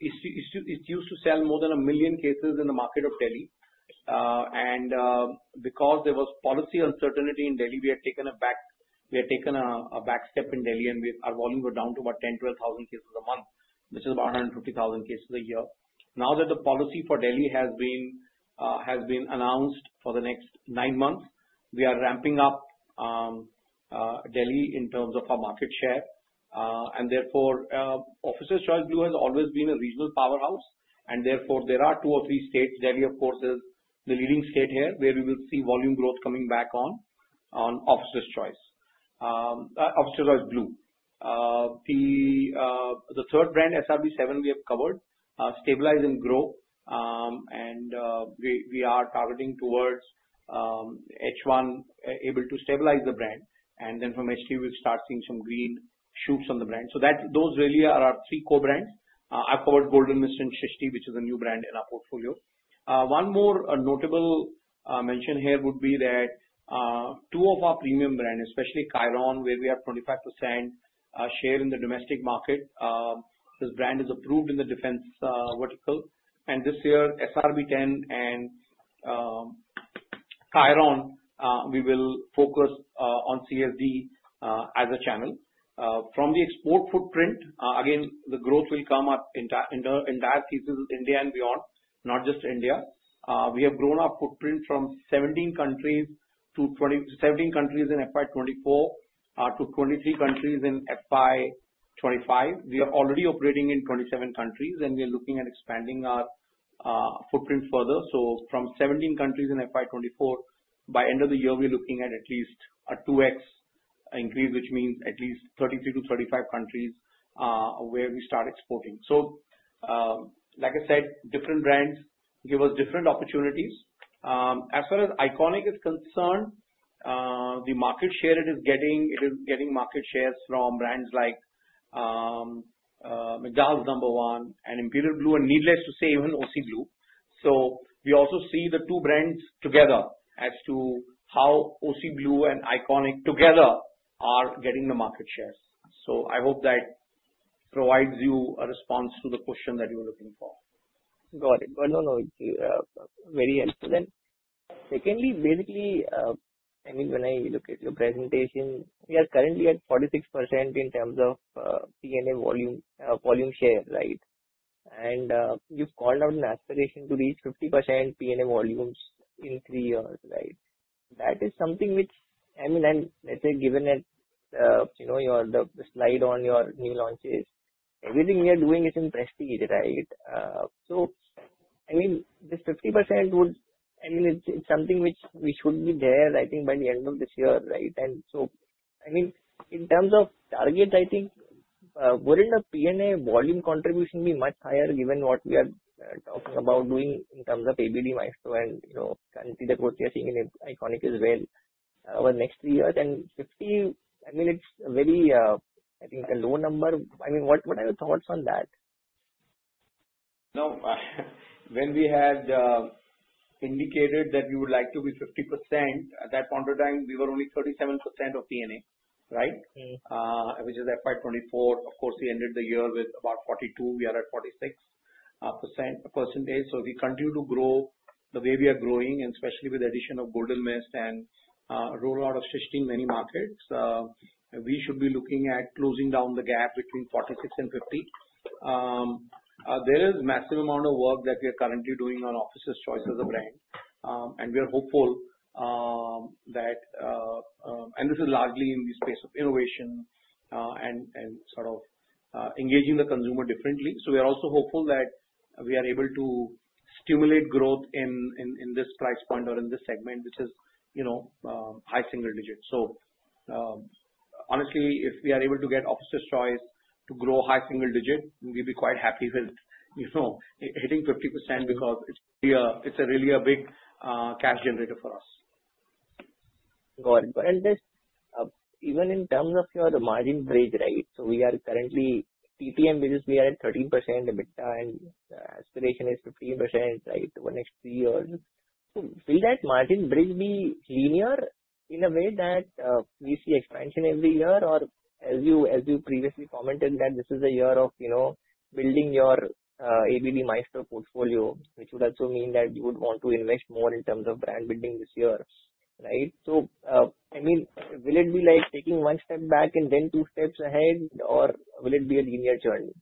used to sell more than a million cases in the market of Delhi. Because there was policy uncertainty in Delhi, we had taken a back step in Delhi, and our volume was down to about 10,000 to 12,000 cases a month, which is about 150,000 cases a year. Now that the policy for Delhi has been announced for the next nine months, we are ramping up Delhi in terms of our market share. Officer's Choice Blue has always been a regional powerhouse. There are two or three states, Delhi of course is the leading state here, where we will see volume growth coming back on Officer's Choice Blue. The third brand, SRB7, we have covered, stabilize and grow. We are targeting towards H1, able to stabilize the brand, and then from H2, we'll start seeing some green shoots on the brand. Those really are our three core brands. I've covered Golden Mist and Srishti, which is a new brand in our portfolio. One more notable mention here would be that two of our premium brands, especially Chiron, where we have 25% share in the domestic market, this brand is approved in the defense vertical. This year, SRB10 and Chiron, we will focus on CSD as a channel. From the export footprint, again, the growth will come up in the entire season, India and beyond, not just India. We have grown our footprint from 17 countries in FY 2024 to 23 countries in FY 2025. We are already operating in 27 countries, and we are looking at expanding our footprint further. From 17 countries in FY 2024, by the end of the year, we're looking at at least a 2x increase, which means at least 33 to 35 countries where we start exporting. Like I said, different brands give us different opportunities. As far as ICONiQ is concerned, the market share it is getting, it is getting market shares from brands like McDowell's Number One and Imperial Blue, and needless to say, even Officer's Choice Blue. We also see the two brands together as to how Officer's Choice Blue and ICONiQ together are getting the market shares. I hope that provides you a response to the question that you were looking for. Got it. No, no, very helpful. Secondly, basically, when I look at your presentation, we are currently at 46% in terms of P&A volume share, right? You've called out an aspiration to reach 50% P&A volumes in three years, right? That is something which, given that you know your slide on your new launches, everything we are doing is in prestige, right? This 50% would, it's something which we should be there, I think, by the end of this year, right? In terms of targets, I think wouldn't the P&A volume contribution be much higher given what we are talking about doing in terms of ABD Maestro and, you know, I think that what you're seeing in ICONiQ as well over the next three years? 50, it's a very, I think, a low number. What are your thoughts on that? No. When we had indicated that we would like to be 50%, at that point of time, we were only 37% of P&A, right? Which is FY 2024. Of course, we ended the year with about 42%. We are at 46%. If we continue to grow the way we are growing, and especially with the addition of Golden Mist and roll-out of Srishti in many markets, we should be looking at closing down the gap between 46% and 50%. There is a massive amount of work that we are currently doing on Officer's Choice as a brand. We are hopeful that, and this is largely in the space of innovation and sort of engaging the consumer differently. We are also hopeful that we are able to stimulate growth in this price point or in this segment, which is, you know, high single digits. Honestly, if we are able to get Officer's Choice to grow high single digits, we'd be quite happy with, you know, hitting 50% because it's really a big cash generator for us. Got it. Even in terms of your margin break, right? We are currently TTM, which is we are at 13% EBITDA, and the aspiration is 15% over the next three years. Will that margin break be linear in a way that we see expansion every year, or as you previously commented that this is a year of building your ABD Maestro portfolio, which would also mean that you would want to invest more in terms of brand building this year, right? Will it be like taking one step back and then two steps ahead, or will it be a linear journey?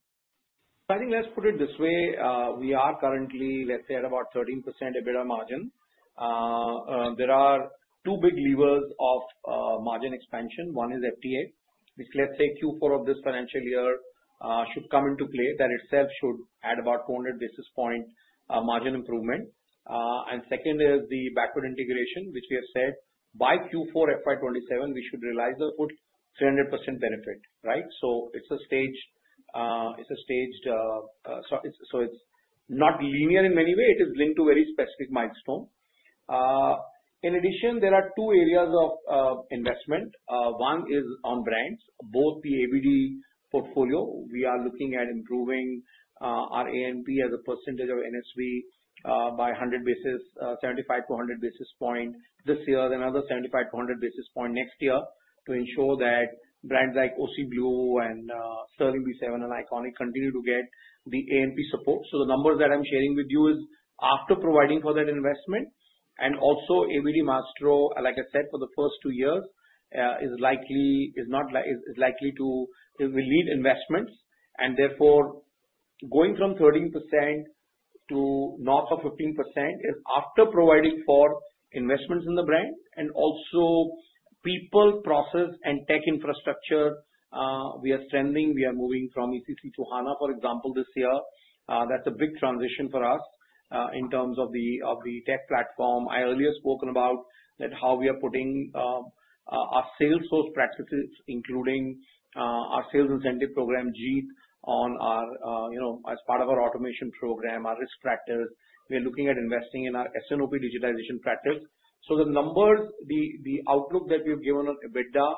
I think let's put it this way. We are currently, let's say, at about 13% EBITDA margin. There are two big levers of margin expansion. One is FTA, which, let's say, Q4 of this financial year should come into play. That itself should add about 200 basis point margin improvement. The second is the backward integration, which we have said by Q4 FY 2027, we should realize a good 300% benefit, right? It's staged, so it's not linear in many ways. It is linked to very specific milestones. In addition, there are two areas of investment. One is on brands. Both the ABD portfolio, we are looking at improving our A&P as a percentage of NSV by 100 basis, 75-100 basis point this year, another 75-100 basis point next year to ensure that brands like Officer's Choice Blue Whisky and Sterling Reserve B7 and ICONiQ continue to get the A&P support. The numbers that I'm sharing with you are after providing for that investment. Also, ABD Maestro, like I said, for the first two years, is likely to lead investments. Therefore, going from 13% to north of 15% is after providing for investments in the brand. Also, people, process, and tech infrastructure, we are strengthening. We are moving from ECC to HANA, for example, this year. That's a big transition for us in terms of the tech platform. I earlier spoke about how we are putting our salesforce practices, including our sales incentive program, JIT, as part of our automation program, our risk factors. We are looking at investing in our SNOP digitization practice. The numbers, the outlook that we have given on EBITDA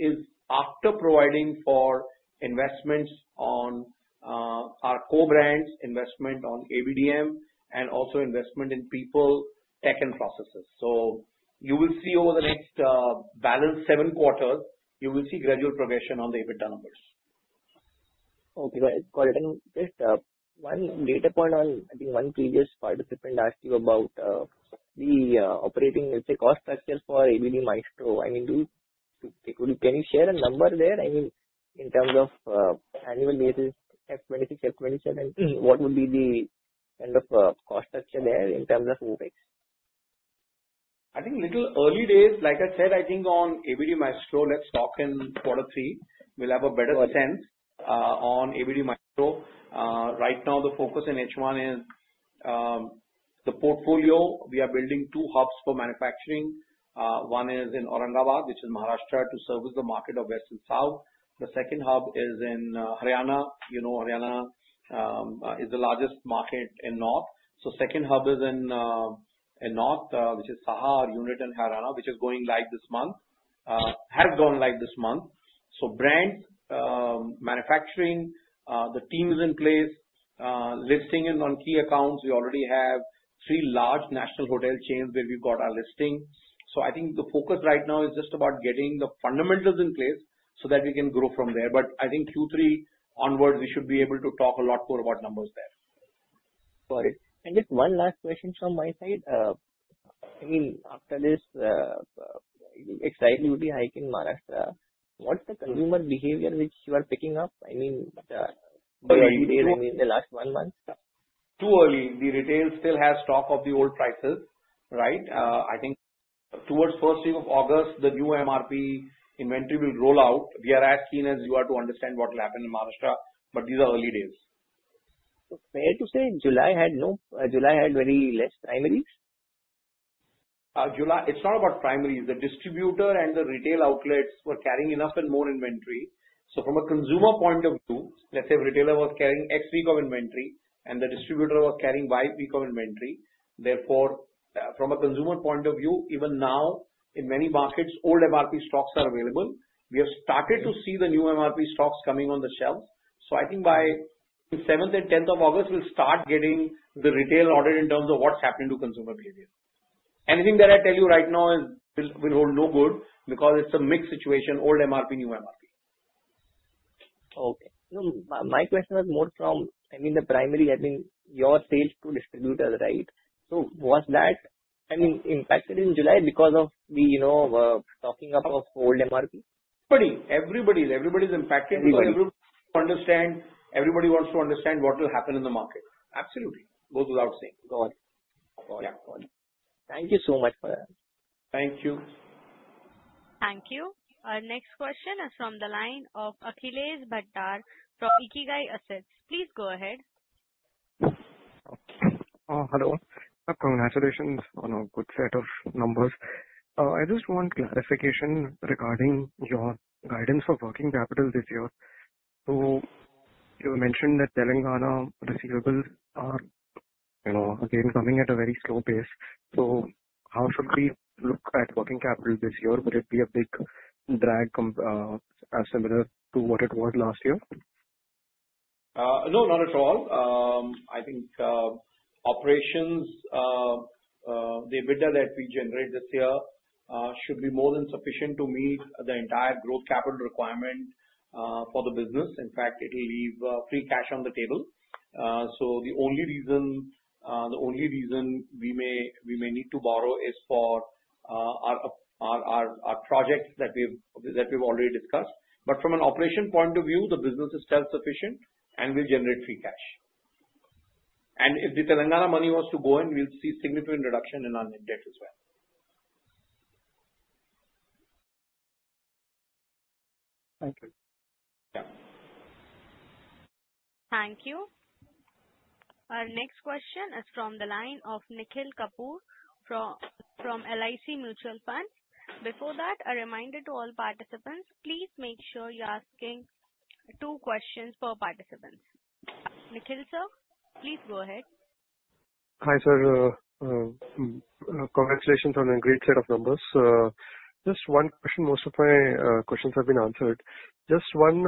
is after providing for investments on our core brands, investment on ABD Maestro, and also investment in people, tech, and processes. You will see over the next balanced seven quarters, you will see gradual progression on the EBITDA numbers. Okay. Go ahead. Got it. I think one data point on, I think, one previous part of it when I asked you about the operating cost structure for ABD Maestro. Can you share a number there in terms of annual basis, FY 2026, FY 2027, what would be the kind of cost structure there in terms of OpEx? I think little early days, like I said, I think on ABD Maestro, let's talk in quarter three. We'll have a better sense on ABD Maestro. Right now, the focus in H1 is the portfolio. We are building two hubs for manufacturing. One is in Aurangabad, which is Maharashtra, to service the market of west and south. The second hub is in Haryana. You know, Haryana is the largest market in north. The second hub is in north, which is Saha or unit in Haryana, which is going live this month, has gone live this month. Brands, manufacturing, the team is in place. Listing in on key accounts, we already have three large national hotel chains where we've got our listing. I think the focus right now is just about getting the fundamentals in place so that we can grow from there. I think Q3 onward, we should be able to talk a lot more about numbers there. Got it. Just one last question from my side. After this, I think, exciting newly hike in Maharashtra, what's the consumer behavior which you are picking up? The early days, the last one month? Too early. The retail still has stock of the old prices, right? I think towards the first week of August, the new MRP inventory will roll out. We are as keen as you are to understand what will happen in Maharashtra, but these are early days. Fair to say July had very less primaries? July, it's not about primaries. The distributor and the retail outlets were carrying enough and more inventory. From a consumer point of view, let's say a retailer was carrying X week of inventory and the distributor was carrying Y week of inventory. Therefore, from a consumer point of view, even now, in many markets, old MRP stocks are available. We have started to see the new MRP stocks coming on the shelves. I think by 7th and 10th of August, we'll start getting the retail audit in terms of what's happening to consumer behavior. Anything that I tell you right now will hold no good because it's a mixed situation, old MRP, new MRP. Okay. My question is more from, I mean, the primary, I mean, your sales to distributors, right? Was that impacted in July because of the, you know, talking about old MRP? Everybody is impacted. Everybody wants to understand what will happen in the market. Absolutely. Goes without saying. Got it. Thank you so much for that. Thank you. Thank you. Our next question is from the line of Akhilesh Bhatter from IKIGAI Assets. Please go ahead. Hello. Congratulations on a good set of numbers. I just want clarification regarding your guidance for working capital this year. You mentioned that Telangana receivables are, you know, again, coming at a very slow pace. How should we look at working capital this year? Will it be a big drag as similar to what it was last year? No, not at all. I think operations, the EBITDA that we generate this year should be more than sufficient to meet the entire growth capital requirement for the business. In fact, it'll leave free cash on the table. The only reason we may need to borrow is for our project that we've already discussed. From an operation point of view, the business is self-sufficient and will generate free cash. If the Telangana money was to go in, we'll see a significant reduction in our net debt as well. Thank you. Thank you. Our next question is from the line of Nikhil Kapoor from LIC Mutual Fund. Before that, a reminder to all participants, please make sure you're asking two questions per participant. Nikhil, sir, please go ahead. Hi, sir. Congratulations on a great set of numbers. Just one question. Most of my questions have been answered. Just one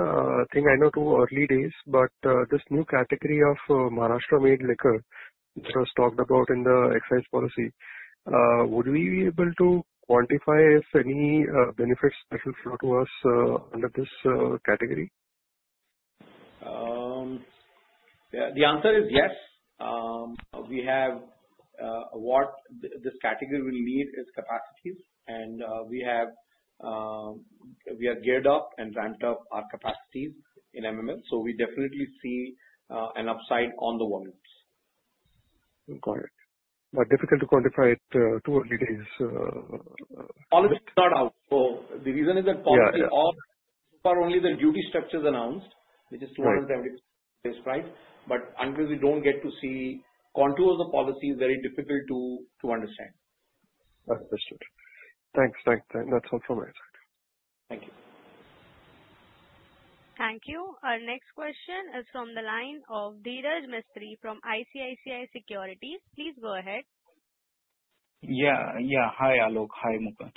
thing. I know it's early days, but this new category of Maharashtra-made liquor, which was talked about in the excise policy, would we be able to quantify if any benefits should flow to us under this category? The answer is yes. What this category will need is capacities, and we are geared up and ramped up our capacities in MML. We definitely see an upside on the volumes. Got it. Difficult to quantify it, too early days. Policy is not out. The reason is that policy is off. So far, only the duty structure is announced, which is 370 price. Until we don't get to see contours of the policy, it's very difficult to understand. Understood. Thanks. That's all from my side. Thank you. Thank you. Our next question is from the line of Dhiraj Mistry from ICICI Securities. Please go ahead. Yeah. Yeah. Hi, Alok. Hi, Mukund.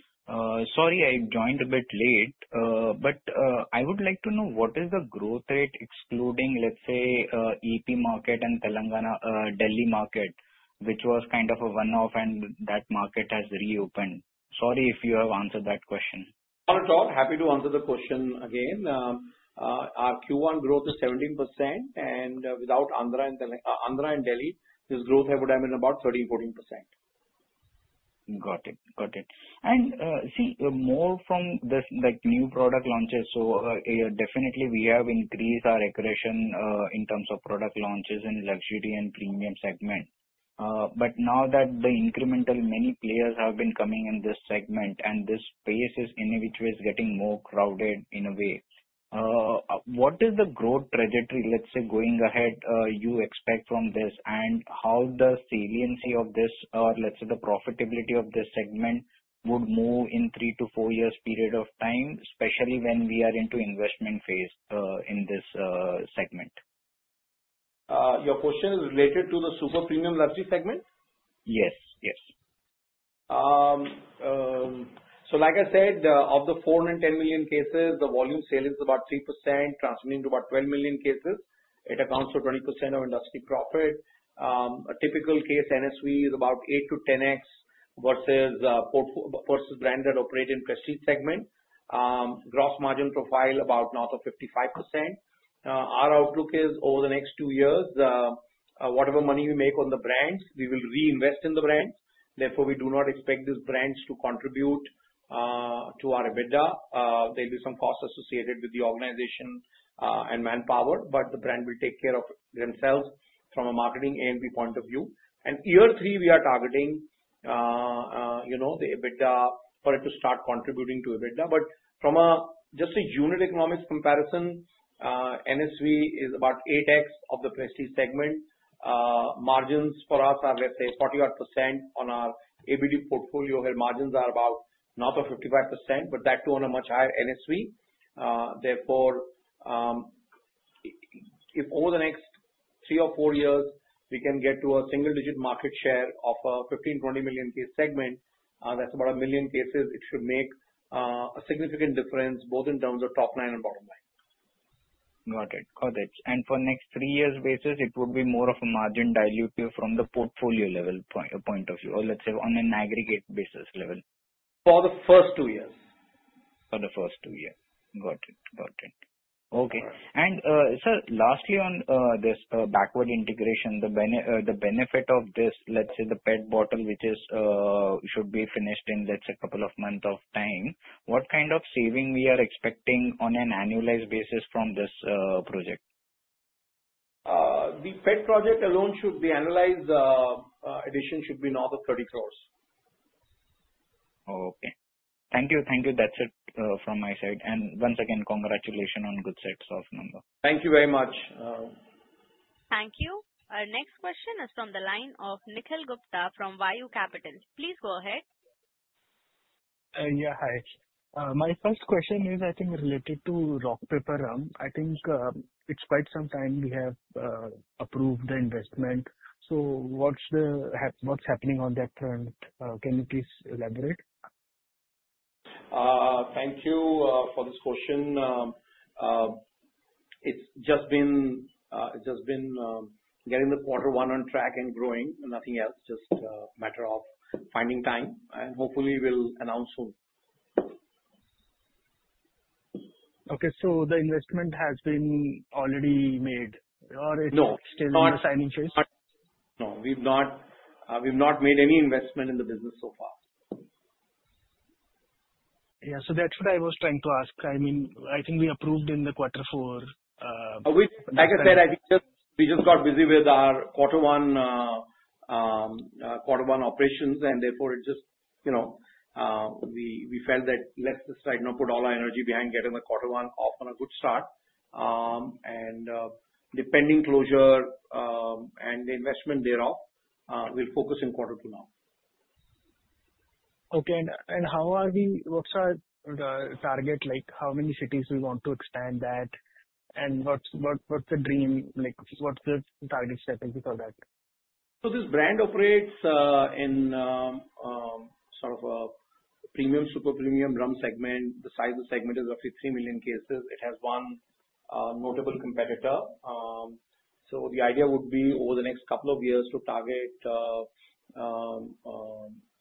Sorry, I joined a bit late. I would like to know what is the growth rate excluding, let's say, Andhra Pradesh market and Delhi market, which was kind of a one-off and that market has reopened? Sorry if you have answered that question. Not at all. Happy to answer the question again. Our Q1 growth is 17%. Without Andhra Pradesh and Delhi, this growth would have been about 30% to 40%. Got it. Got it. More from this, like new product launches, we have definitely increased our recreation in terms of product launches in the luxury and premium segment. Now that the incremental many players have been coming in this segment and this space is in a way getting more crowded, what is the growth trajectory, let's say, going ahead you expect from this? How the saliency of this or, let's say, the profitability of this segment would move in a three to four years period of time, especially when we are into the investment phase in this segment? Your question is related to the Super-Premium luxury segment? Yes. Yes. Like I said, of the 4 and 10 million cases, the volume sale is about 3%, translating to about 12 million cases. It accounts for 20% of industry profit. A typical case, NSV is about 8 to 10x versus brands that operate in the prestige segment. Gross margin profile is about north of 55%. Our outlook is over the next two years, whatever money we make on the brands, we will reinvest in the brands. Therefore, we do not expect these brands to contribute to our EBITDA. There'll be some costs associated with the organization and manpower, but the brand will take care of it themselves from a marketing A&P point of view. In year three, we are targeting the EBITDA for it to start contributing to EBITDA. From just a unit economics comparison, NSV is about 8x of the prestige segment. Margins for us are, let's say, 40-odd % on our ABD portfolio where margins are about north of 55%, but that too on a much higher NSV. If over the next three or four years, we can get to a single-digit market share of a 15, 20 million case segment, that's about a million cases. It should make a significant difference both in terms of top line and bottom line. Got it. Got it. For the next three years basis, it would be. A margin dilute you from the portfolio level point of view or let's say on an aggregate basis level? For the first two years. For the first two years. Got it. Got it. Okay. Lastly, on this backward integration, the benefit of this, let's say the PET bottle, which should be finished in, let's say, a couple of months of time, what kind of saving are we expecting on an annualized basis from this project? The PET project alone should be analyzed, addition should be north of 30 crore. Okay. Thank you. Thank you. That's it from my side. Once again, congratulations on good sets of numbers. Thank you very much. Thank you. Our next question is from the line of Nikhil Gupta from Yu Capital. Please go ahead. Hi. My first question is, I think, related to Rock Paper Rum. I think it's quite some time we have approved the investment. What's happening on that front? Can you please elaborate? Thank you for this question. It's just been getting the quarter one on track and growing, nothing else. It's just a matter of finding time. Hopefully, we'll announce soon. Okay. The investment has been already made? No. Is it still in the signing phase? No, we've not made any investment in the business so far. Yeah, that's what I was trying to ask. I mean, I think we approved in the quarter four. Like I said, I think we just got busy with our quarter one operations. Therefore, we felt that let's just try to not put all our energy behind getting the quarter one off on a good start, and depending on closure and the investment thereof, we'll focus in quarter two now. Okay. How are we? What's our target? How many cities do we want to expand that? What's the dream? What's the target step, if you call that? This brand operates in a sort of premium, Super-Premium rum segment. The size of the segment is roughly 3 million cases. It has one notable competitor. The idea would be over the next couple of years to target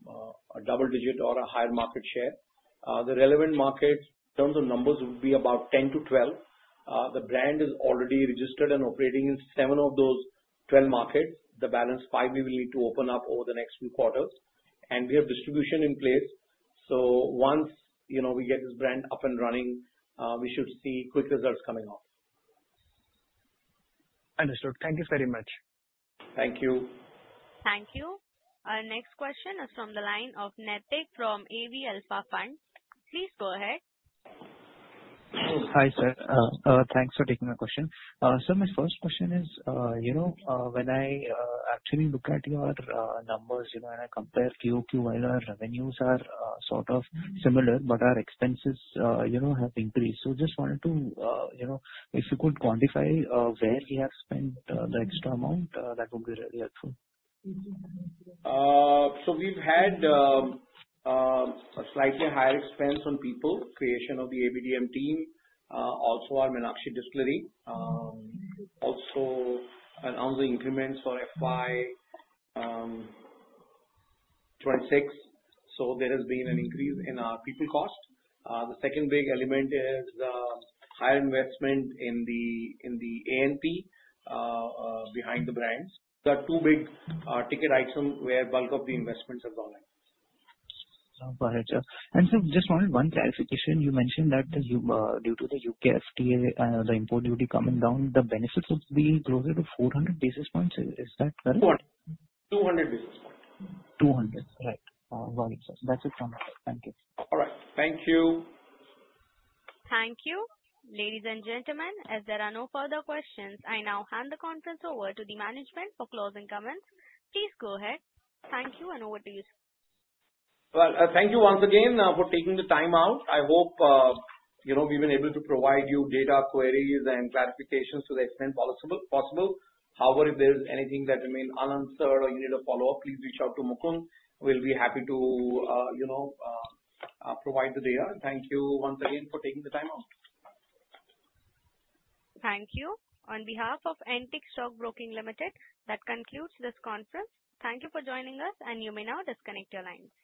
a double digit or a higher market share. The relevant market, in terms of numbers, would be about 10 to 12. The brand is already registered and operating in 7 of those 12 markets. The balance 5 we will need to open up over the next few quarters. We have distribution in place. Once we get this brand up and running, we should see quick results coming out. Understood. Thank you very much. Thank you. Thank you. Our next question is from the line of Naitik from NV Alpha Fund. Please go ahead. Hi, sir. Thanks for taking my question. My first question is, when I actually look at your numbers and I compare, fewer revenues are sort of similar, but our expenses have increased. I just wanted to know if you could quantify where we have spent the extra amount, that would be really helpful. We've had a slightly higher expense on people, creation of the ABDM team, also our Menakshi distillery, also announcing increments for FY 2026. There has been an increase in our people cost. The second big element is the higher investment in the A&P behind the brands. The two big ticket items where a bunch of the investments have gone. Sir, just wanted one clarification. You mentioned that due to the U.K. FTA, the import duty coming down, the benefits would be closer to 400 basis points. Is that correct? 200 basis points. 200. Right. Got it. That's it from us. Thank you. All right. Thank you. Thank you. Ladies and gentlemen, as there are no further questions, I now hand the conference over to the management for closing comments. Please go ahead. Thank you and over to you, sir. Thank you once again for taking the time out. I hope, you know, we've been able to provide you data queries and clarifications to the extent possible. However, if there is anything that remained unanswered or you need a follow-up, please reach out to Mukund. We'll be happy to, you know, provide the data. Thank you once again for taking the time out. Thank you. On behalf of Antique Stock Broking Ltd, that concludes this conference. Thank you for joining us, and you may now disconnect your line.